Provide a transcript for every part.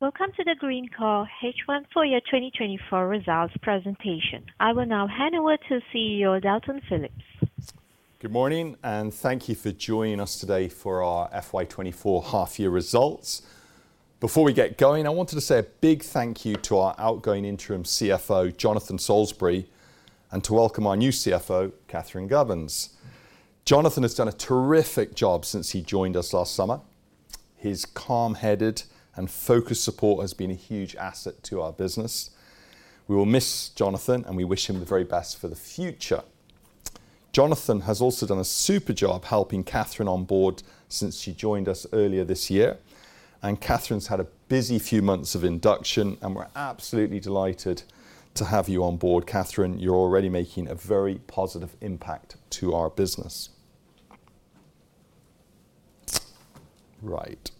Welcome to the Greencore H1 Full Year 2024 Results Presentation. I will now hand over to CEO Dalton Philips. Good morning, and thank you for joining us today for our FY24 Half Year Results. Before we get going, I wanted to say a big thank you to our outgoing interim CFO, Jonathan Solesbury, and to welcome our new CFO, Catherine Gubbins. Jonathan has done a terrific job since he joined us last summer. His calm-headed and focused support has been a huge asset to our business. We will miss Jonathan, and we wish him the very best for the future. Jonathan has also done a super job helping Catherine on board since she joined us earlier this year, and Catherine's had a busy few months of induction, and we're absolutely delighted to have you on board, Catherine. You're already making a very positive impact to our business. Right.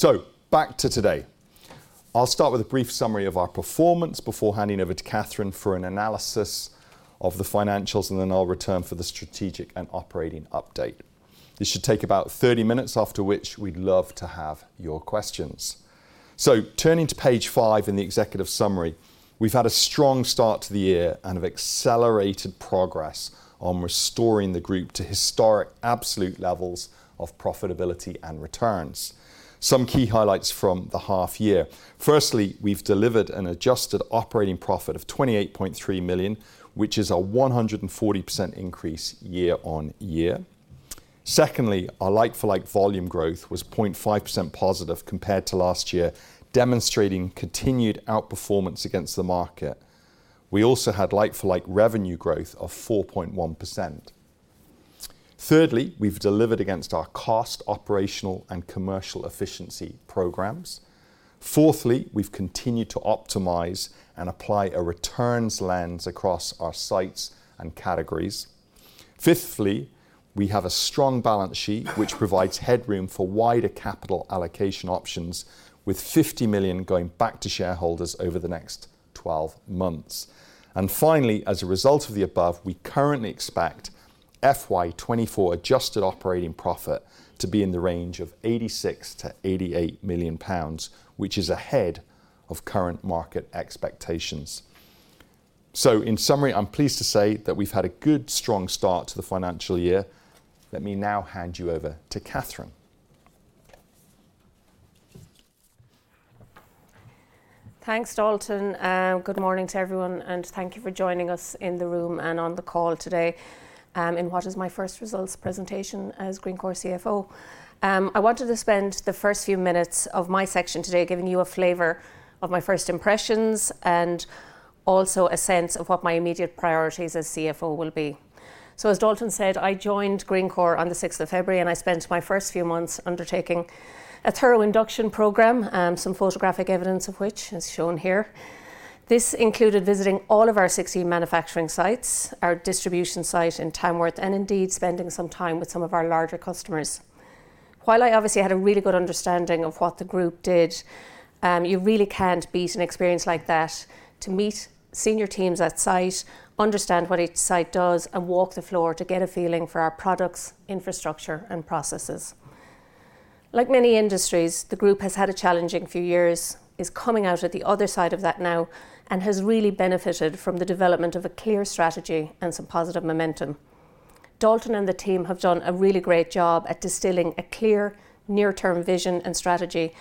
So back to today. I'll start with a brief summary of our performance before handing over to Catherine for an analysis of the financials, and then I'll return for the strategic and operating update. This should take about 30 minutes, after which we'd love to have your questions. Turning to page five in the executive summary, we've had a strong start to the year and have accelerated progress on restoring the group to historic absolute levels of profitability and returns. Some key highlights from the half year: firstly, we've delivered an adjusted operating profit of 28.3 million, which is a 140% increase year-on-year. Secondly, our like-for-like volume growth was 0.5% positive compared to last year, demonstrating continued outperformance against the market. We also had like-for-like revenue growth of 4.1%. Thirdly, we've delivered against our cost, operational, and commercial efficiency programs. Fourthly, we've continued to optimize and apply a returns lens across our sites and categories. Fifthly, we have a strong balance sheet, which provides headroom for wider capital allocation options, with 50 million going back to shareholders over the next 12 months. And finally, as a result of the above, we currently expect FY 2024 adjusted operating profit to be in the range of 86 million to 88 million pounds, which is ahead of current market expectations. So in summary, I'm pleased to say that we've had a good, strong start to the financial year. Let me now hand you over to Catherine. Thanks, Dalton, and good morning to everyone, and thank you for joining us in the room and on the call today, in what is my first results presentation as Greencore CFO. I wanted to spend the first few minutes of my section today giving you a flavor of my first impressions and also a sense of what my immediate priorities as CFO will be. So as Dalton said, I joined Greencore on the sixth of February, and I spent my first few months undertaking a thorough induction program, some photographic evidence of which is shown here. This included visiting all of our 16 manufacturing sites, our distribution site in Tamworth, and indeed spending some time with some of our larger customers. While I obviously had a really good understanding of what the group did, you really can't beat an experience like that, to meet senior teams at site, understand what each site does, and walk the floor to get a feeling for our products, infrastructure, and processes. Like many industries, the group has had a challenging few years, is coming out at the other side of that now, and has really benefited from the development of a clear strategy and some positive momentum. Dalton and the team have done a really great job at distilling a clear near-term vision and strategy,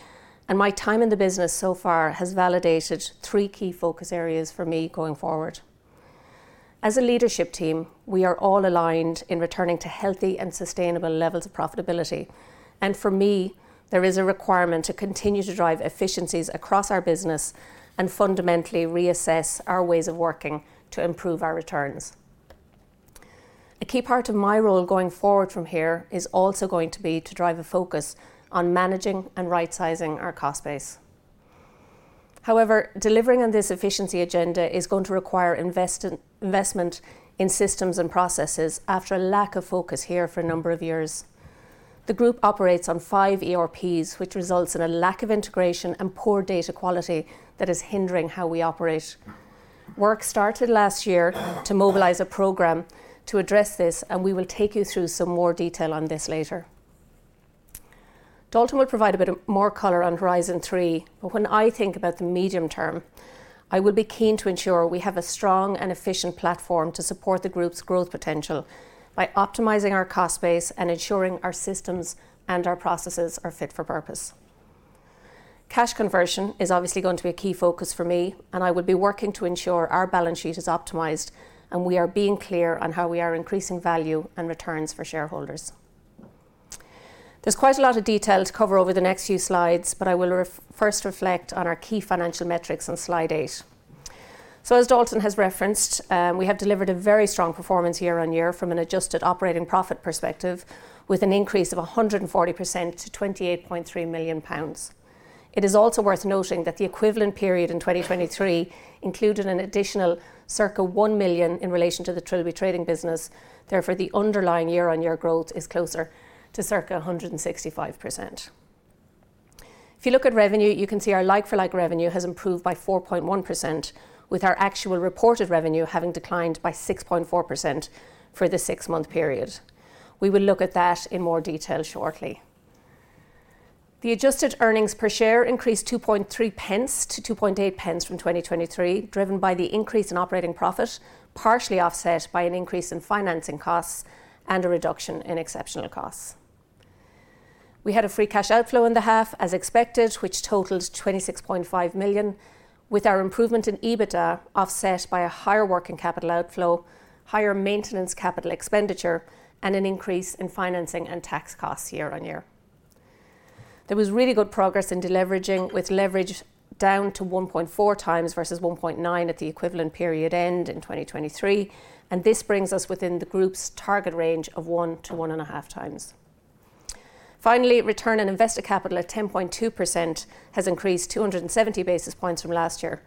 and my time in the business so far has validated three key focus areas for me going forward. As a leadership team, we are all aligned in returning to healthy and sustainable levels of profitability, and for me, there is a requirement to continue to drive efficiencies across our business and fundamentally reassess our ways of working to improve our returns. A key part of my role going forward from here is also going to be to drive a focus on managing and right-sizing our cost base. However, delivering on this efficiency agenda is going to require investment in systems and processes after a lack of focus here for a number of years. The group operates on five ERPs, which results in a lack of integration and poor data quality that is hindering how we operate. Work started last year to mobilize a program to address this, and we will take you through some more detail on this later. Dalton will provide a bit more color on Horizon Three, but when I think about the medium term, I will be keen to ensure we have a strong and efficient platform to support the group's growth potential by optimizing our cost base and ensuring our systems and our processes are fit for purpose. Cash conversion is obviously going to be a key focus for me, and I will be working to ensure our balance sheet is optimized, and we are being clear on how we are increasing value and returns for shareholders. There's quite a lot of detail to cover over the next few slides, but I will first reflect on our key financial metrics on slide eight. So as Dalton has referenced, we have delivered a very strong performance year-on-year from an adjusted operating profit perspective, with an increase of 140% to 28.3 million pounds. It is also worth noting that the equivalent period in 2023 included an additional circa 1 million in relation to the Trilby Trading business. Therefore, the underlying year-on-year growth is closer to circa 165%. If you look at revenue, you can see our like-for-like revenue has improved by 4.1%, with our actual reported revenue having declined by 6.4% for the six-month period. We will look at that in more detail shortly. The adjusted earnings per share increased 0.023 to 0.028 from 2023, driven by the increase in operating profit, partially offset by an increase in financing costs and a reduction in exceptional costs. We had a free cash outflow in the half, as expected, which totaled 26.5 million, with our improvement in EBITDA offset by a higher working capital outflow, higher maintenance capital expenditure, and an increase in financing and tax costs year-on-year. There was really good progress in deleveraging, with leverage down to 1.4x versus 1.9x at the equivalent period end in 2023, and this brings us within the group's target range of 1 to 1.5x. Finally, return on invested capital at 10.2% has increased 270 basis points from last year.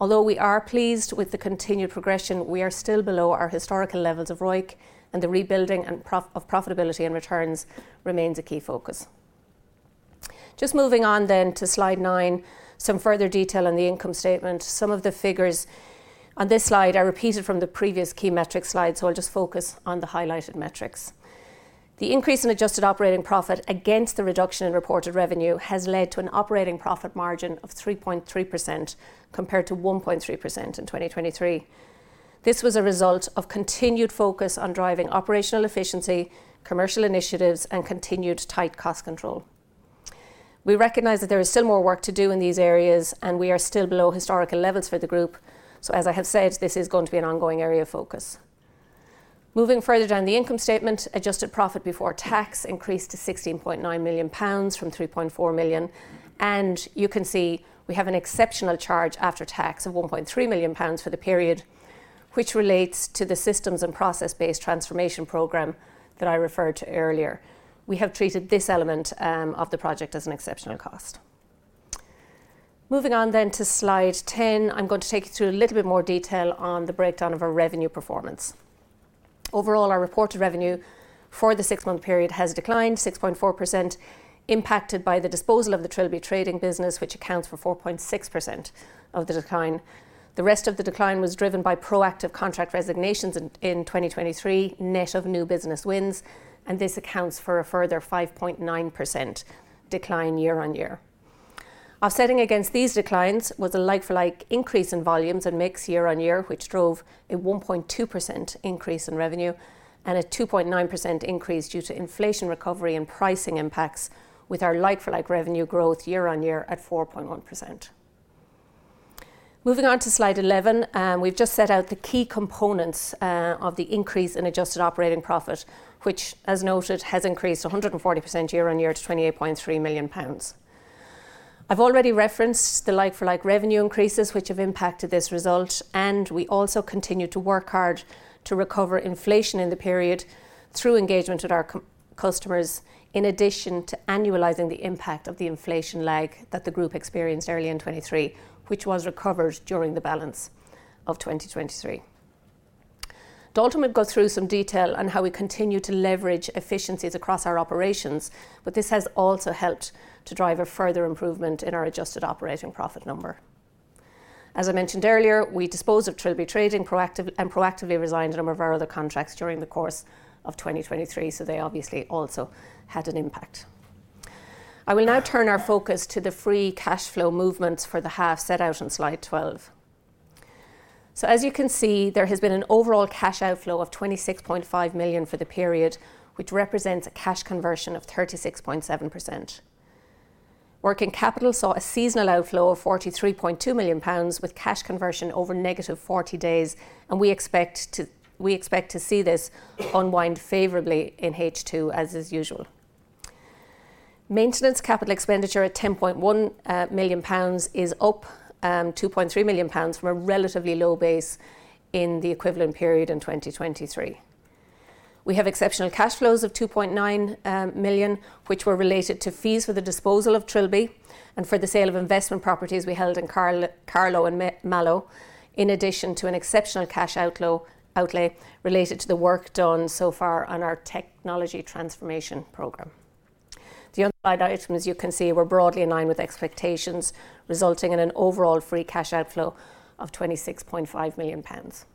Although we are pleased with the continued progression, we are still below our historical levels of ROIC, and the rebuilding of profitability and returns remains a key focus. Just moving on then to slide 9, some further detail on the income statement. Some of the figures on this slide are repeated from the previous key metrics slide, so I'll just focus on the highlighted metrics. The increase in adjusted operating profit against the reduction in reported revenue has led to an operating profit margin of 3.3%, compared to 1.3% in 2023. This was a result of continued focus on driving operational efficiency, commercial initiatives, and continued tight cost control. We recognize that there is still more work to do in these areas, and we are still below historical levels for the group. So as I have said, this is going to be an ongoing area of focus. Moving further down the income statement, adjusted profit before tax increased to 16.9 million pounds from 3.4 million. You can see we have an exceptional charge after tax of 1.3 million pounds for the period, which relates to the systems and process-based transformation program that I referred to earlier. We have treated this element of the project as an exceptional cost. Moving on then to slide 10, I'm going to take you through a little bit more detail on the breakdown of our revenue performance. Overall, our reported revenue for the six-month period has declined 6.4%, impacted by the disposal of the Trilby Trading business, which accounts for 4.6% of the decline. The rest of the decline was driven by proactive contract resignations in 2023, net of new business wins, and this accounts for a further 5.9% decline year-on-year. Offsetting against these declines was a like-for-like increase in volumes and mix year-on-year, which drove a 1.2% increase in revenue and a 2.9% increase due to inflation recovery and pricing impacts, with our like-for-like revenue growth year-on-year at 4.1%. Moving on to slide 11, we've just set out the key components of the increase in adjusted operating profit, which, as noted, has increased 140% year-on-year to 28.3 million pounds. I've already referenced the like-for-like revenue increases, which have impacted this result, and we also continued to work hard to recover inflation in the period through engagement with our customers, in addition to annualizing the impact of the inflation lag that the group experienced early in 2023, which was recovered during the balance of 2023. Dalton will go through some detail on how we continue to leverage efficiencies across our operations, but this has also helped to drive a further improvement in our adjusted operating profit number. As I mentioned earlier, we disposed of Trilby Trading and proactively resigned a number of our other contracts during the course of 2023, so they obviously also had an impact. I will now turn our focus to the free cash flow movements for the half set out in slide 12. So as you can see, there has been an overall cash outflow of 26.5 million for the period, which represents a cash conversion of 36.7%. Working capital saw a seasonal outflow of 43.2 million pounds, with cash conversion over negative 40 days, and we expect to see this unwind favorably in H2, as is usual. Maintenance capital expenditure at 10.1 million pounds is up 2.3 million pounds from a relatively low base in the equivalent period in 2023. We have exceptional cash flows of 2.9 million, which were related to fees for the disposal of Trilby and for the sale of investment properties we held in Carlow and Mallow, in addition to an exceptional cash outlay related to the work done so far on our technology transformation program. The other items, as you can see, were broadly in line with expectations, resulting in an overall free cash outflow of 26.5 million pounds.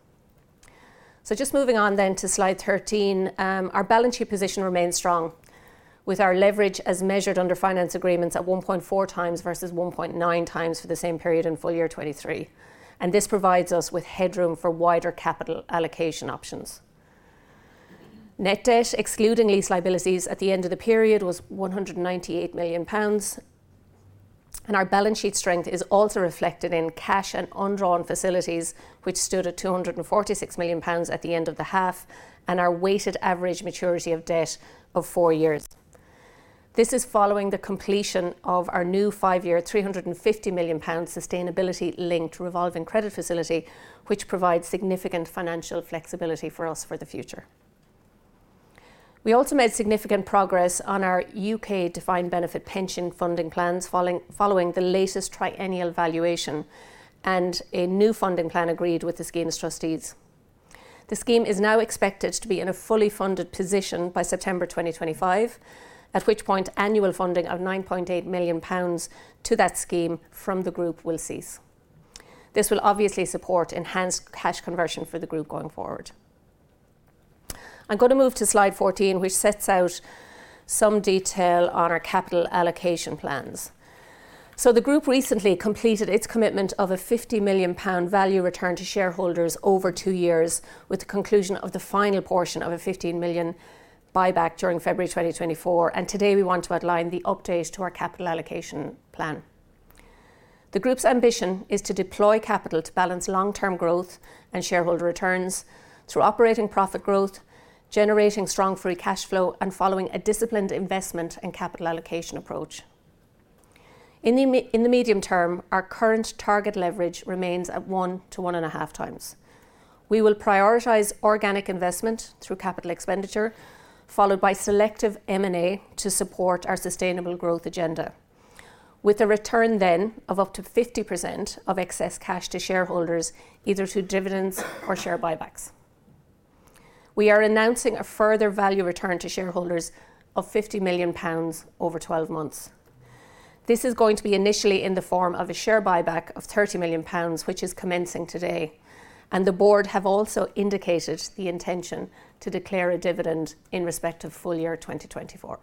Just moving on then to slide 13, our balance sheet position remains strong, with our leverage as measured under finance agreements at 1.4x versus 1.9x for the same period in full year 2023, and this provides us with headroom for wider capital allocation options. Net debt, excluding lease liabilities at the end of the period, was 198 million pounds, and our balance sheet strength is also reflected in cash and undrawn facilities, which stood at 246 million pounds at the end of the half, and our weighted average maturity of debt of four years. This is following the completion of our new five-year, 350 million pounds sustainability-linked revolving credit facility, which provides significant financial flexibility for us for the future. We also made significant progress on our UK defined benefit pension funding plans, following the latest triennial valuation and a new funding plan agreed with the scheme's trustees. The scheme is now expected to be in a fully funded position by September 2025, at which point annual funding of 9.8 million pounds to that scheme from the group will cease. This will obviously support enhanced cash conversion for the group going forward. I'm gonna move to slide 14, which sets out some detail on our capital allocation plans. So the group recently completed its commitment of a 50 million pound value return to shareholders over two years, with the conclusion of the final portion of a 15 million buyback during February 2024, and today we want to outline the update to our capital allocation plan. The group's ambition is to deploy capital to balance long-term growth and shareholder returns through operating profit growth, generating strong free cash flow, and following a disciplined investment and capital allocation approach. In the medium term, our current target leverage remains at 1x to 1.5x. We will prioritize organic investment through capital expenditure, followed by selective M&A to support our sustainable growth agenda. With a return then of up to 50% of excess cash to shareholders, either through dividends or share buybacks. We are announcing a further value return to shareholders of 50 million pounds over 12 months. This is going to be initially in the form of a share buyback of 30 million pounds, which is commencing today, and the board have also indicated the intention to declare a dividend in respect of full year 2024.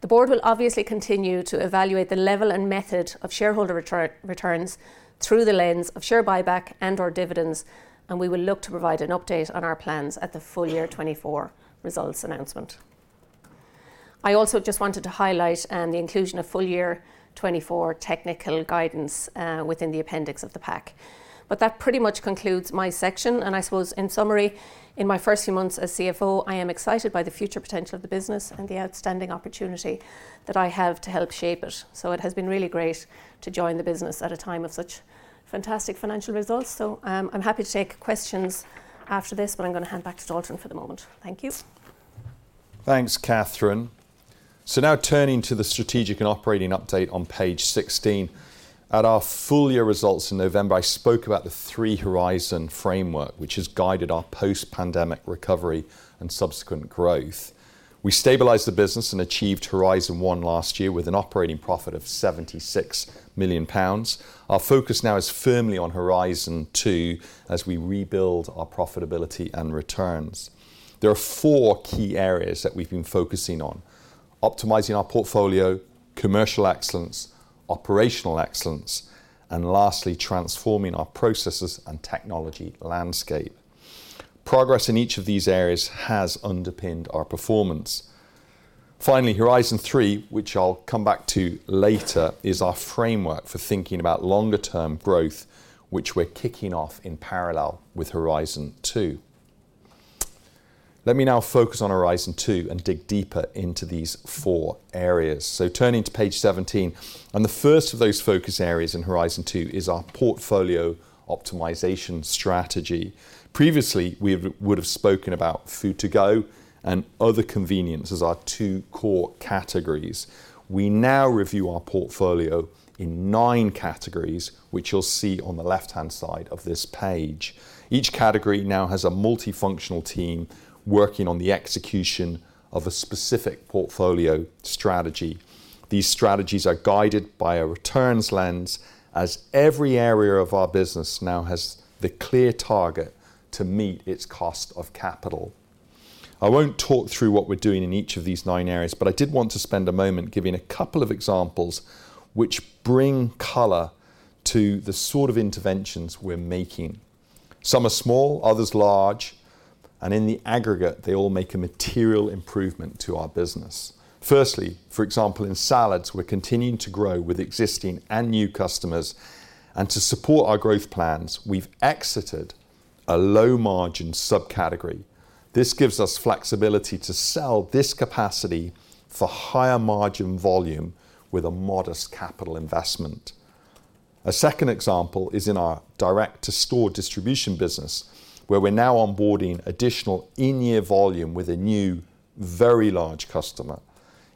The board will obviously continue to evaluate the level and method of shareholder returns through the lens of share buyback and/or dividends, and we will look to provide an update on our plans at the full year 2024 results announcement. I also just wanted to highlight the inclusion of full year 2024 technical guidance within the appendix of the pack. But that pretty much concludes my section, and I suppose in summary, in my first few months as CFO, I am excited by the future potential of the business and the outstanding opportunity that I have to help shape it. So it has been really great to join the business at a time of such fantastic financial results. So, I'm happy to take questions after this, but I'm gonna hand back to Dalton for the moment. Thank you. Thanks, Catherine. So now turning to the strategic and operating update on page 16. At our full year results in November, I spoke about the three horizon framework, which has guided our post-pandemic recovery and subsequent growth. We stabilized the business and achieved Horizon One last year with an operating profit of 76 million pounds. Our focus now is firmly on Horizon Two as we rebuild our profitability and returns. There are four key areas that we've been focusing on: optimizing our portfolio, commercial excellence, operational excellence, and lastly, transforming our processes and technology landscape. Progress in each of these areas has underpinned our performance. Finally, Horizon Three, which I'll come back to later, is our framework for thinking about longer term growth, which we're kicking off in parallel with Horizon Two. Let me now focus on Horizon Two and dig deeper into these four areas. So turning to page 17, and the first of those focus areas in Horizon Two is our portfolio optimization strategy. Previously, we would have spoken about food to go and other convenience as our two core categories. We now review our portfolio in nine categories, which you'll see on the left-hand side of this page. Each category now has a multifunctional team working on the execution of a specific portfolio strategy. These strategies are guided by a returns lens, as every area of our business now has the clear target to meet its cost of capital. I won't talk through what we're doing in each of these nine areas, but I did want to spend a moment giving a couple of examples which bring color to the sort of interventions we're making. Some are small, others large, and in the aggregate, they all make a material improvement to our business. Firstly, for example, in salads, we're continuing to grow with existing and new customers, and to support our growth plans, we've exited a low-margin subcategory. This gives us flexibility to sell this capacity for higher margin volume with a modest capital investment. A second example is in our direct-to-store distribution business, where we're now onboarding additional in-year volume with a new, very large customer.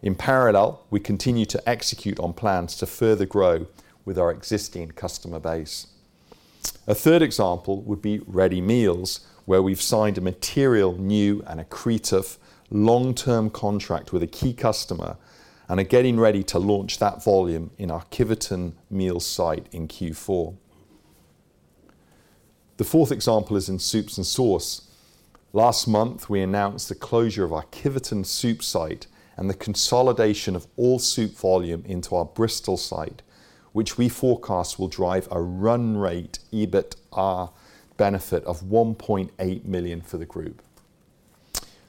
In parallel, we continue to execute on plans to further grow with our existing customer base. A third example would be ready meals, where we've signed a material new and accretive long-term contract with a key customer and are getting ready to launch that volume in our Kiveton meals site in Q4. The fourth example is in soups and sauce. Last month, we announced the closure of our Kiveton soup site and the consolidation of all soup volume into our Bristol site, which we forecast will drive a run rate, EBITDA benefit of 1.8 million for the group.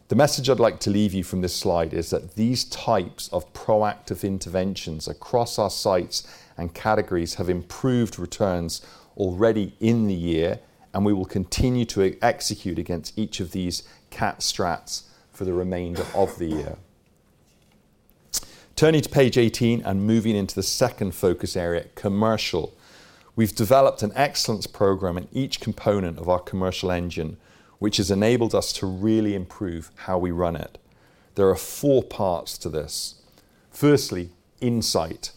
The message I'd like to leave you from this slide is that these types of proactive interventions across our sites and categories have improved returns already in the year, and we will continue to execute against each of these Cat Strats for the remainder of the year. Turning to page 18 and moving into the second focus area, commercial. We've developed an excellence program in each component of our commercial engine, which has enabled us to really improve how we run it. There are four parts to this. Firstly, insight.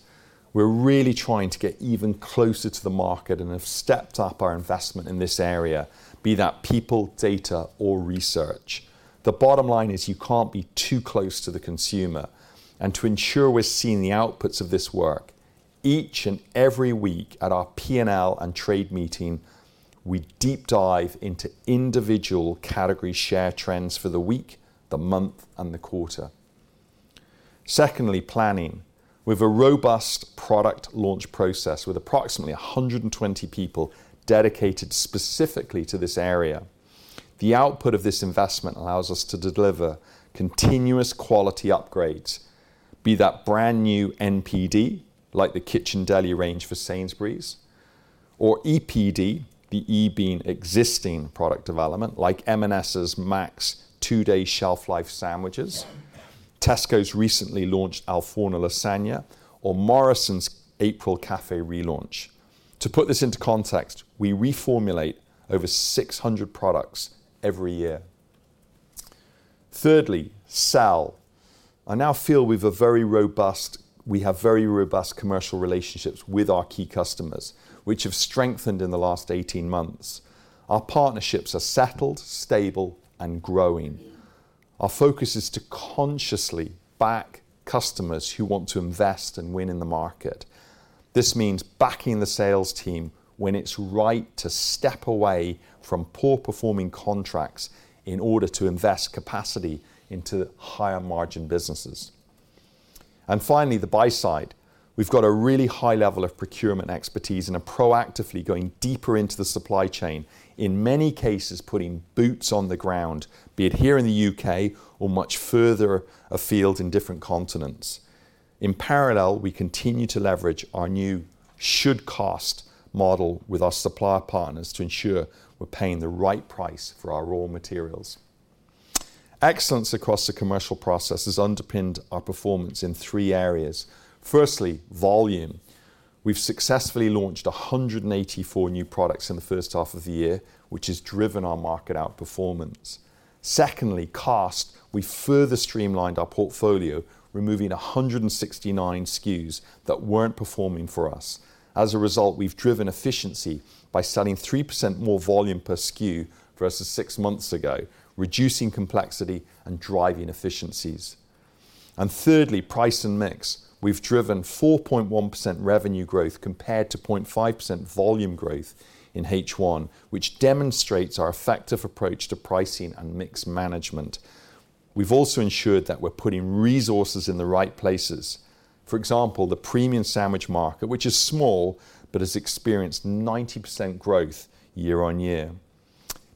We're really trying to get even closer to the market and have stepped up our investment in this area, be that people, data, or research. The bottom line is you can't be too close to the consumer, and to ensure we're seeing the outputs of this work. Each and every week at our P&L and trade meeting, we deep dive into individual category share trends for the week, the month, and the quarter. Secondly, planning. We've a robust product launch process, with approximately 120 people dedicated specifically to this area. The output of this investment allows us to deliver continuous quality upgrades, be that brand-new NPD, like the Kitchen Deli range for Sainsbury's, or EPD, the E being existing product development, like M&S's max two-day shelf life sandwiches, Tesco's recently launched Al Forno lasagne, or Morrisons April café relaunch. To put this into context, we reformulate over 600 products every year. Thirdly, sell. I now feel we've a very robust. We have very robust commercial relationships with our key customers, which have strengthened in the last 18 months. Our partnerships are settled, stable, and growing. Our focus is to consciously back customers who want to invest and win in the market. This means backing the sales team when it's right to step away from poor-performing contracts in order to invest capacity into higher margin businesses. And finally, the buy side. We've got a really high level of procurement expertise and are proactively going deeper into the supply chain, in many cases, putting boots on the ground, be it here in the U.K. or much further afield in different continents. In parallel, we continue to leverage our new should-cost model with our supplier partners to ensure we're paying the right price for our raw materials. Excellence across the commercial process has underpinned our performance in three areas. Firstly, volume. We've successfully launched 184 new products in the first half of the year, which has driven our market outperformance. Secondly, cost. We further streamlined our portfolio, removing 169 SKUs that weren't performing for us. As a result, we've driven efficiency by selling 3% more volume per SKU versus six months ago, reducing complexity and driving efficiencies. And thirdly, price and mix. We've driven 4.1% revenue growth compared to 0.5% volume growth in H1, which demonstrates our effective approach to pricing and mix management. We've also ensured that we're putting resources in the right places. For example, the premium sandwich market, which is small, but has experienced 90% growth year-over-year.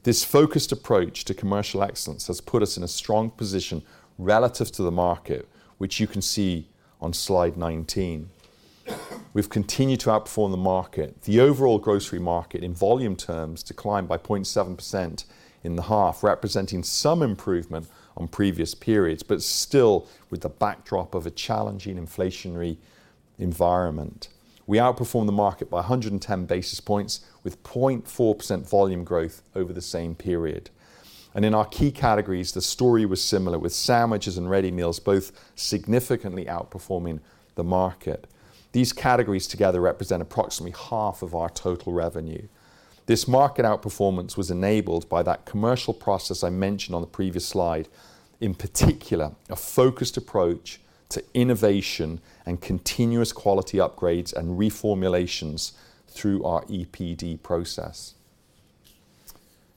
This focused approach to commercial excellence has put us in a strong position relative to the market, which you can see on slide 19. We've continued to outperform the market. The overall grocery market, in volume terms, declined by 0.7% in the half, representing some improvement on previous periods, but still with the backdrop of a challenging inflationary environment. We outperformed the market by 110 basis points, with 0.4% volume growth over the same period. In our key categories, the story was similar, with sandwiches and ready meals both significantly outperforming the market. These categories together represent approximately half of our total revenue. This market outperformance was enabled by that commercial process I mentioned on the previous slide. In particular, a focused approach to innovation and continuous quality upgrades and reformulations through our EPD process.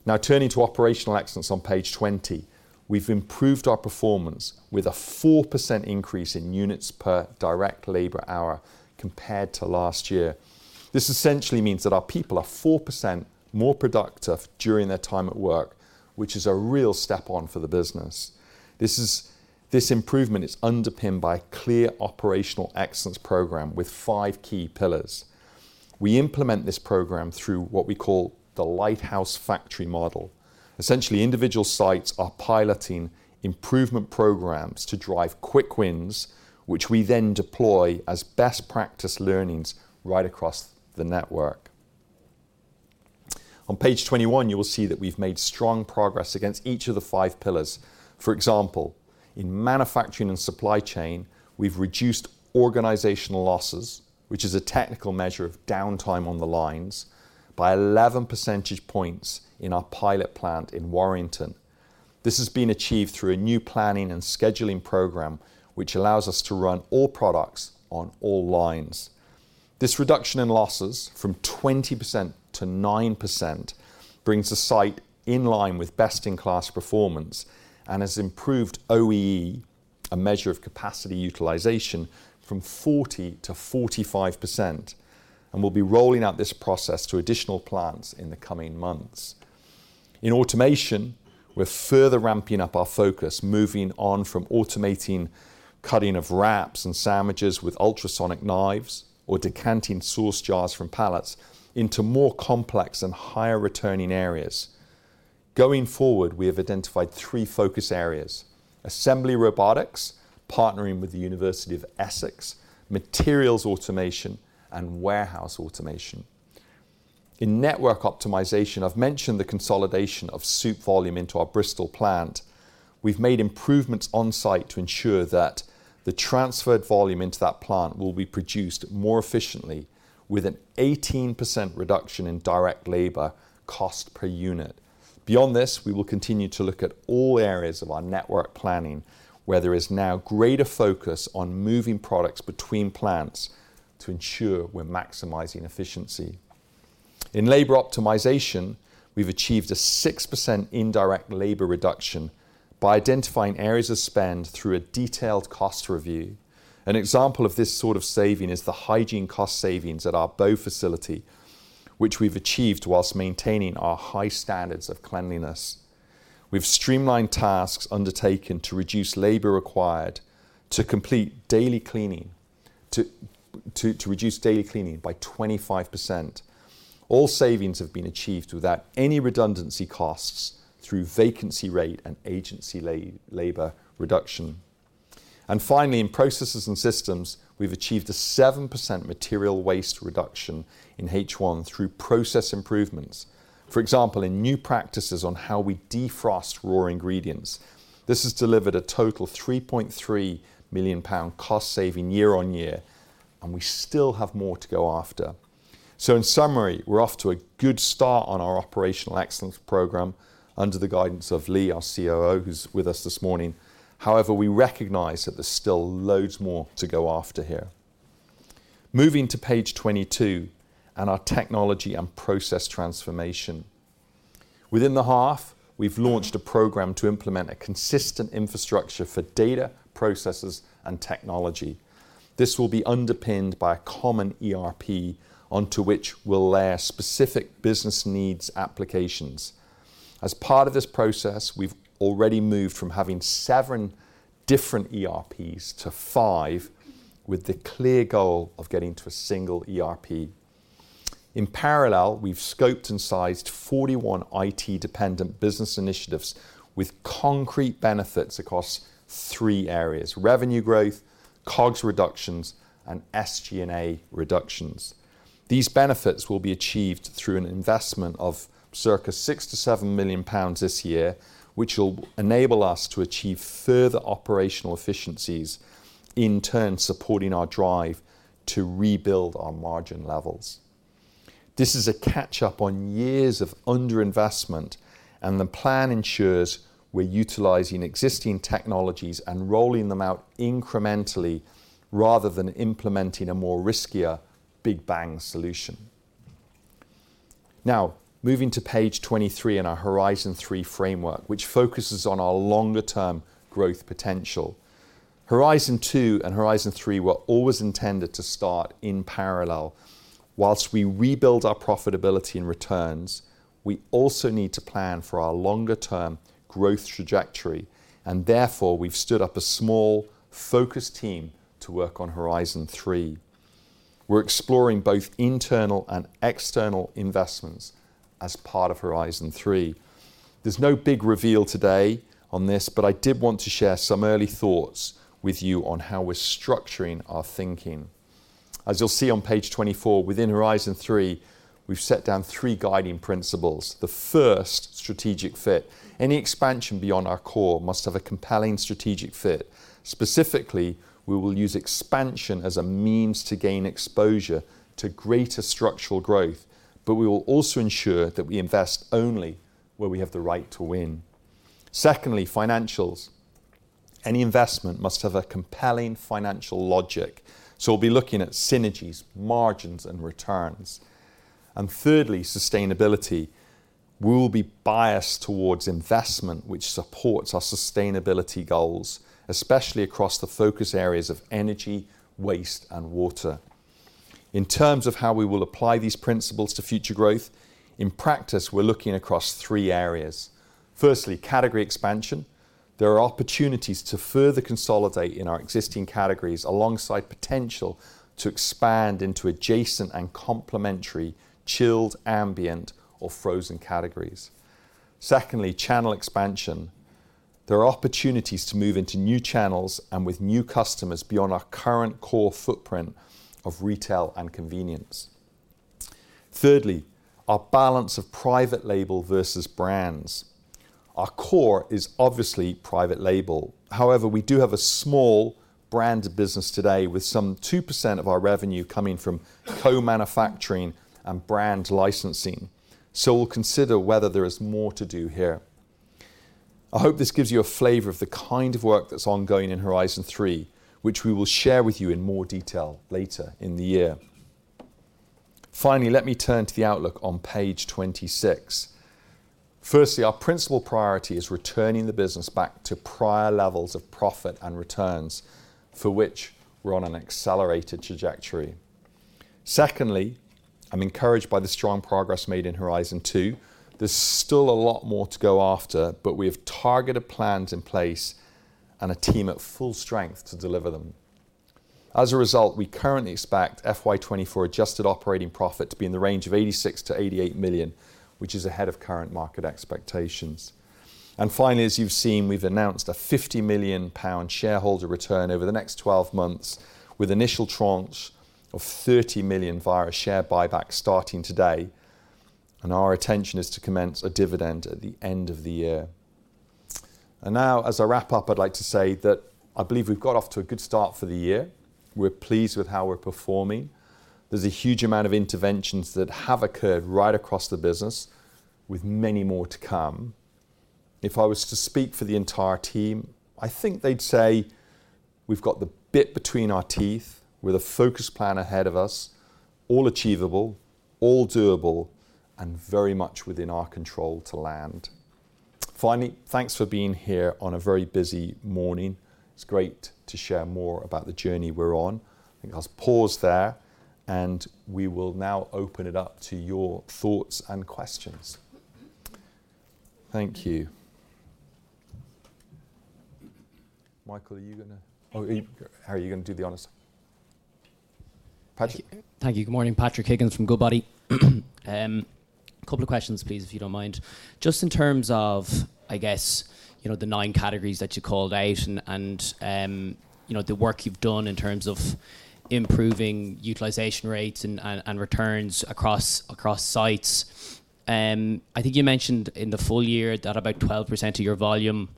Now, turning to operational excellence on page 20. We've improved our performance with a 4% increase in units per direct labor hour compared to last year. This essentially means that our people are 4% more productive during their time at work, which is a real step on for the business. This improvement is underpinned by a clear operational excellence program with five key pillars. We implement this program through what we call the lighthouse factory model. Essentially, individual sites are piloting improvement programs to drive quick wins, which we then deploy as best practice learnings right across the network. On page 21, you will see that we've made strong progress against each of the five pillars. For example, in manufacturing and supply chain, we've reduced organizational losses, which is a technical measure of downtime on the lines, by 11 percentage points in our pilot plant in Warrington. This has been achieved through a new planning and scheduling program, which allows us to run all products on all lines. This reduction in losses from 20% to 9% brings the site in line with best-in-class performance and has improved OEE, a measure of capacity utilization, from 40 to 45%, and we'll be rolling out this process to additional plants in the coming months. In automation, we're further ramping up our focus, moving on from automating cutting of wraps and sandwiches with ultrasonic knives or decanting sauce jars from pallets into more complex and higher returning areas. Going forward, we have identified three focus areas: assembly robotics, partnering with the University of Essex, materials automation, and warehouse automation. In network optimization, I've mentioned the consolidation of soup volume into our Bristol plant. We've made improvements on-site to ensure that the transferred volume into that plant will be produced more efficiently, with an 18% reduction in direct labor cost per unit. Beyond this, we will continue to look at all areas of our network planning, where there is now greater focus on moving products between plants to ensure we're maximizing efficiency. In labor optimization, we've achieved a 6% indirect labor reduction by identifying areas of spend through a detailed cost review. An example of this sort of saving is the hygiene cost savings at our Bow facility, which we've achieved while maintaining our high standards of cleanliness. We've streamlined tasks undertaken to reduce labor required to complete daily cleaning, to reduce daily cleaning by 25%. All savings have been achieved without any redundancy costs through vacancy rate and agency labor reduction. And finally, in processes and systems, we've achieved a 7% material waste reduction in H1 through process improvements. For example, in new practices on how we defrost raw ingredients. This has delivered a total of 3.3 million pound cost saving year-on-year, and we still have more to go after. So in summary, we're off to a good start on our operational excellence program under the guidance of Lee, our COO, who's with us this morning. However, we recognize that there's still loads more to go after here. Moving to page 22, and our technology and process transformation. Within the half, we've launched a program to implement a consistent infrastructure for data, processes, and technology. This will be underpinned by a common ERP, onto which we'll layer specific business needs applications. As part of this process, we've already moved from having seven different ERPs to five, with the clear goal of getting to a single ERP. In parallel, we've scoped and sized 41 IT-dependent business initiatives with concrete benefits across three areas: revenue growth, COGS reductions, and SG&A reductions. These benefits will be achieved through an investment of circa 6 million to 7 million pounds this year, which will enable us to achieve further operational efficiencies, in turn, supporting our drive to rebuild our margin levels. This is a catch-up on years of underinvestment, and the plan ensures we're utilizing existing technologies and rolling them out incrementally, rather than implementing a more riskier big bang solution. Now, moving to page 23 and our Horizon Three framework, which focuses on our longer term growth potential. Horizon Two and Horizon Three were always intended to start in parallel. While we rebuild our profitability and returns, we also need to plan for our longer term growth trajectory, and therefore, we've stood up a small, focused team to work on Horizon Three. We're exploring both internal and external investments as part of Horizon Three. There's no big reveal today on this, but I did want to share some early thoughts with you on how we're structuring our thinking. As you'll see on page 24, within Horizon Three, we've set down three guiding principles. The first, strategic fit. Any expansion beyond our core must have a compelling strategic fit. Specifically, we will use expansion as a means to gain exposure to greater structural growth, but we will also ensure that we invest only where we have the right to win. Secondly, financials. Any investment must have a compelling financial logic, so we'll be looking at synergies, margins, and returns. And thirdly, sustainability. We will be biased towards investment which supports our sustainability goals, especially across the focus areas of energy, waste, and water. In terms of how we will apply these principles to future growth, in practice, we're looking across three areas. Firstly, category expansion. There are opportunities to further consolidate in our existing categories, alongside potential to expand into adjacent and complementary chilled, ambient, or frozen categories. Secondly, channel expansion. There are opportunities to move into new channels and with new customers beyond our current core footprint of retail and convenience. Thirdly, our balance of private label versus brands. Our core is obviously private label. However, we do have a small brand business today, with some 2% of our revenue coming from co-manufacturing and brand licensing. So we'll consider whether there is more to do here. I hope this gives you a flavor of the kind of work that's ongoing in Horizon Three, which we will share with you in more detail later in the year. Finally, let me turn to the outlook on page 26. Firstly, our principal priority is returning the business back to prior levels of profit and returns, for which we're on an accelerated trajectory. Secondly, I'm encouraged by the strong progress made in Horizon Two. There's still a lot more to go after, but we have targeted plans in place and a team at full strength to deliver them. As a result, we currently expect FY 2024 adjusted operating profit to be in the range of 86 million-88 million, which is ahead of current market expectations. Finally, as you've seen, we've announced a 50 million pound shareholder return over the next 12 months, with initial tranche of 30 million via a share buyback starting today, and our intention is to commence a dividend at the end of the year. Now as I wrap up, I'd like to say that I believe we've got off to a good start for the year. We're pleased with how we're performing. There's a huge amount of interventions that have occurred right across the business, with many more to come. If I was to speak for the entire team, I think they'd say we've got the bit between our teeth with a focused plan ahead of us, all achievable, all doable, and very much within our control to land. Finally, thanks for being here on a very busy morning. It's great to share more about the journey we're on. I think I'll pause there, and we will now open it up to your thoughts and questions. Thank you Michael, are you gonna? Oh, are you, are you gonna do the honors? Patrick? Thank you. Good morning, Patrick Higgins from Goodbody. A couple of questions, please, if you don't mind. Just in terms of, I guess, you know, the nine categories that you called out and, the work you've done in terms of improving utilization rates and returns across sites, I think you mentioned in the full year that about 12% of your volume,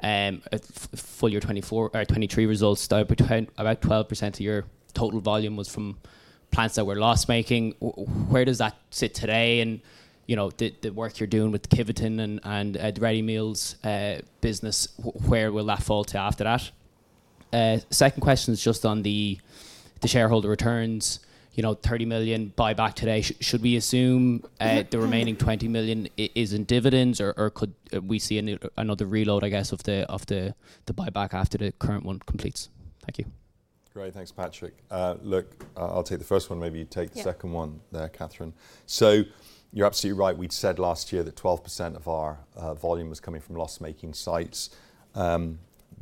full year 2024 or 2023 results, about 12% of your total volume was from plants that were loss-making. Where does that sit today? And, you know, the work you're doing with Kiveton and the ready meals business, where will that fall to after that? Second question is just on the shareholder returns. You know, 30 million buyback today. Should we assume the remaining 20 million is in dividends, or could we see another reload, I guess, of the buyback after the current one completes? Thank you. Great. Thanks, Patrick. Look, I'll take the first one, maybe you take the second one- Yeah... there, Catherine. So you're absolutely right. We'd said last year that 12% of our volume was coming from loss-making sites.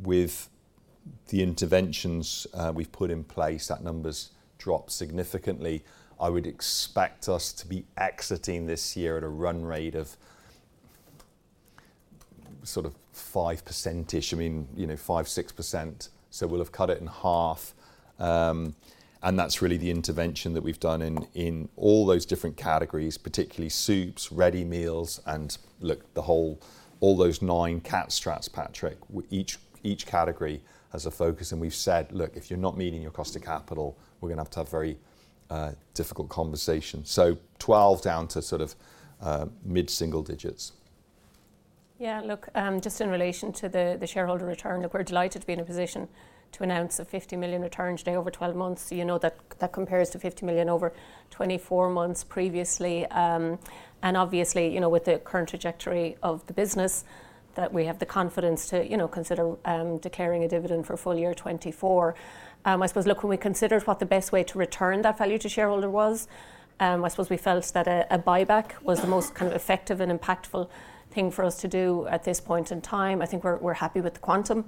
With the interventions we've put in place, that number's dropped significantly. I would expect us to be exiting this year at a run rate of sort of 5% ish. I mean, you know, 5% to 6%. So we'll have cut it in half. And that's really the intervention that we've done in all those different categories, particularly soups, ready meals, and, look, the whole all those 9 Cat Strats, Patrick, each category has a focus, and we've said, "Look, if you're not meeting your cost to capital, we're going to have to have very difficult conversations." So 12 down to sort of mid-single digits. Yeah, look, just in relation to the shareholder return, look, we're delighted to be in a position to announce a 50 million return today over 12 months. You know, that compares to 50 million over 24 months previously. And obviously, you know, with the current trajectory of the business, that we have the confidence to, you know, consider declaring a dividend for full year 2024. I suppose, look, when we considered what the best way to return that value to shareholder was, I suppose we felt that a buyback was the most kind of effective and impactful thing for us to do at this point in time. I think we're happy with the quantum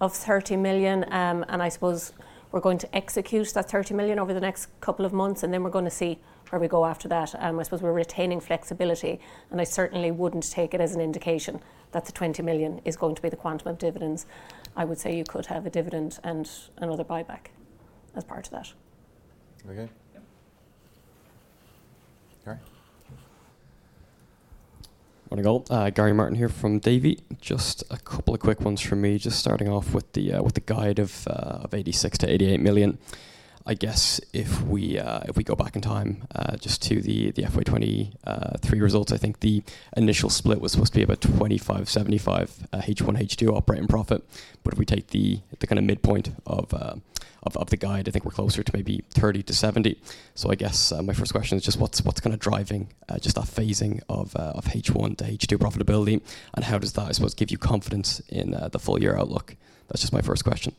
of 30 million, and I suppose we're going to execute that 30 million over the next couple of months, and then we're gonna see where we go after that. I suppose we're retaining flexibility, and I certainly wouldn't take it as an indication that the 20 million is going to be the quantum of dividends. I would say you could have a dividend and another buyback as part of that. Okay. Gary? Morning, all. Gary Martin here from Davy. Just a couple of quick ones from me, just starting off with the guide of 86 million to 88 million. I guess if we go back in time, just to the FY 2023 results, I think the initial split was supposed to be about 25 to 75, H1, H2 operating profit. But if we take the kind of midpoint of the guide, I think we're closer to maybe 30 to 70. So I guess, my first question is just what's kind of driving just that phasing of H1 to H2 profitability, and how does that, I suppose, give you confidence in the full year outlook? That's just my first question.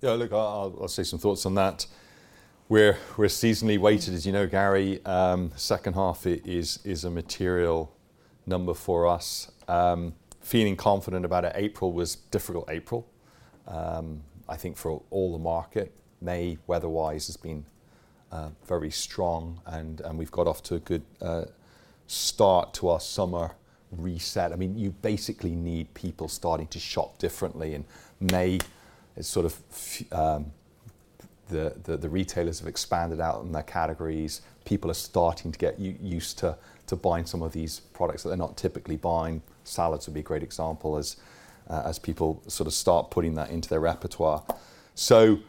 Yeah, look, I'll say some thoughts on that. We're seasonally weighted, as you know, Gary. Second half is a material number for us. Feeling confident about it, April was difficult April, I think for all the market. May, weather-wise, has been very strong, and we've got off to a good start to our summer reset. I mean, you basically need people starting to shop differently, and May is sort of the retailers have expanded out on their categories. People are starting to get used to buying some of these products that they're not typically buying. Salads would be a great example as people sort of start putting that into their repertoire. So,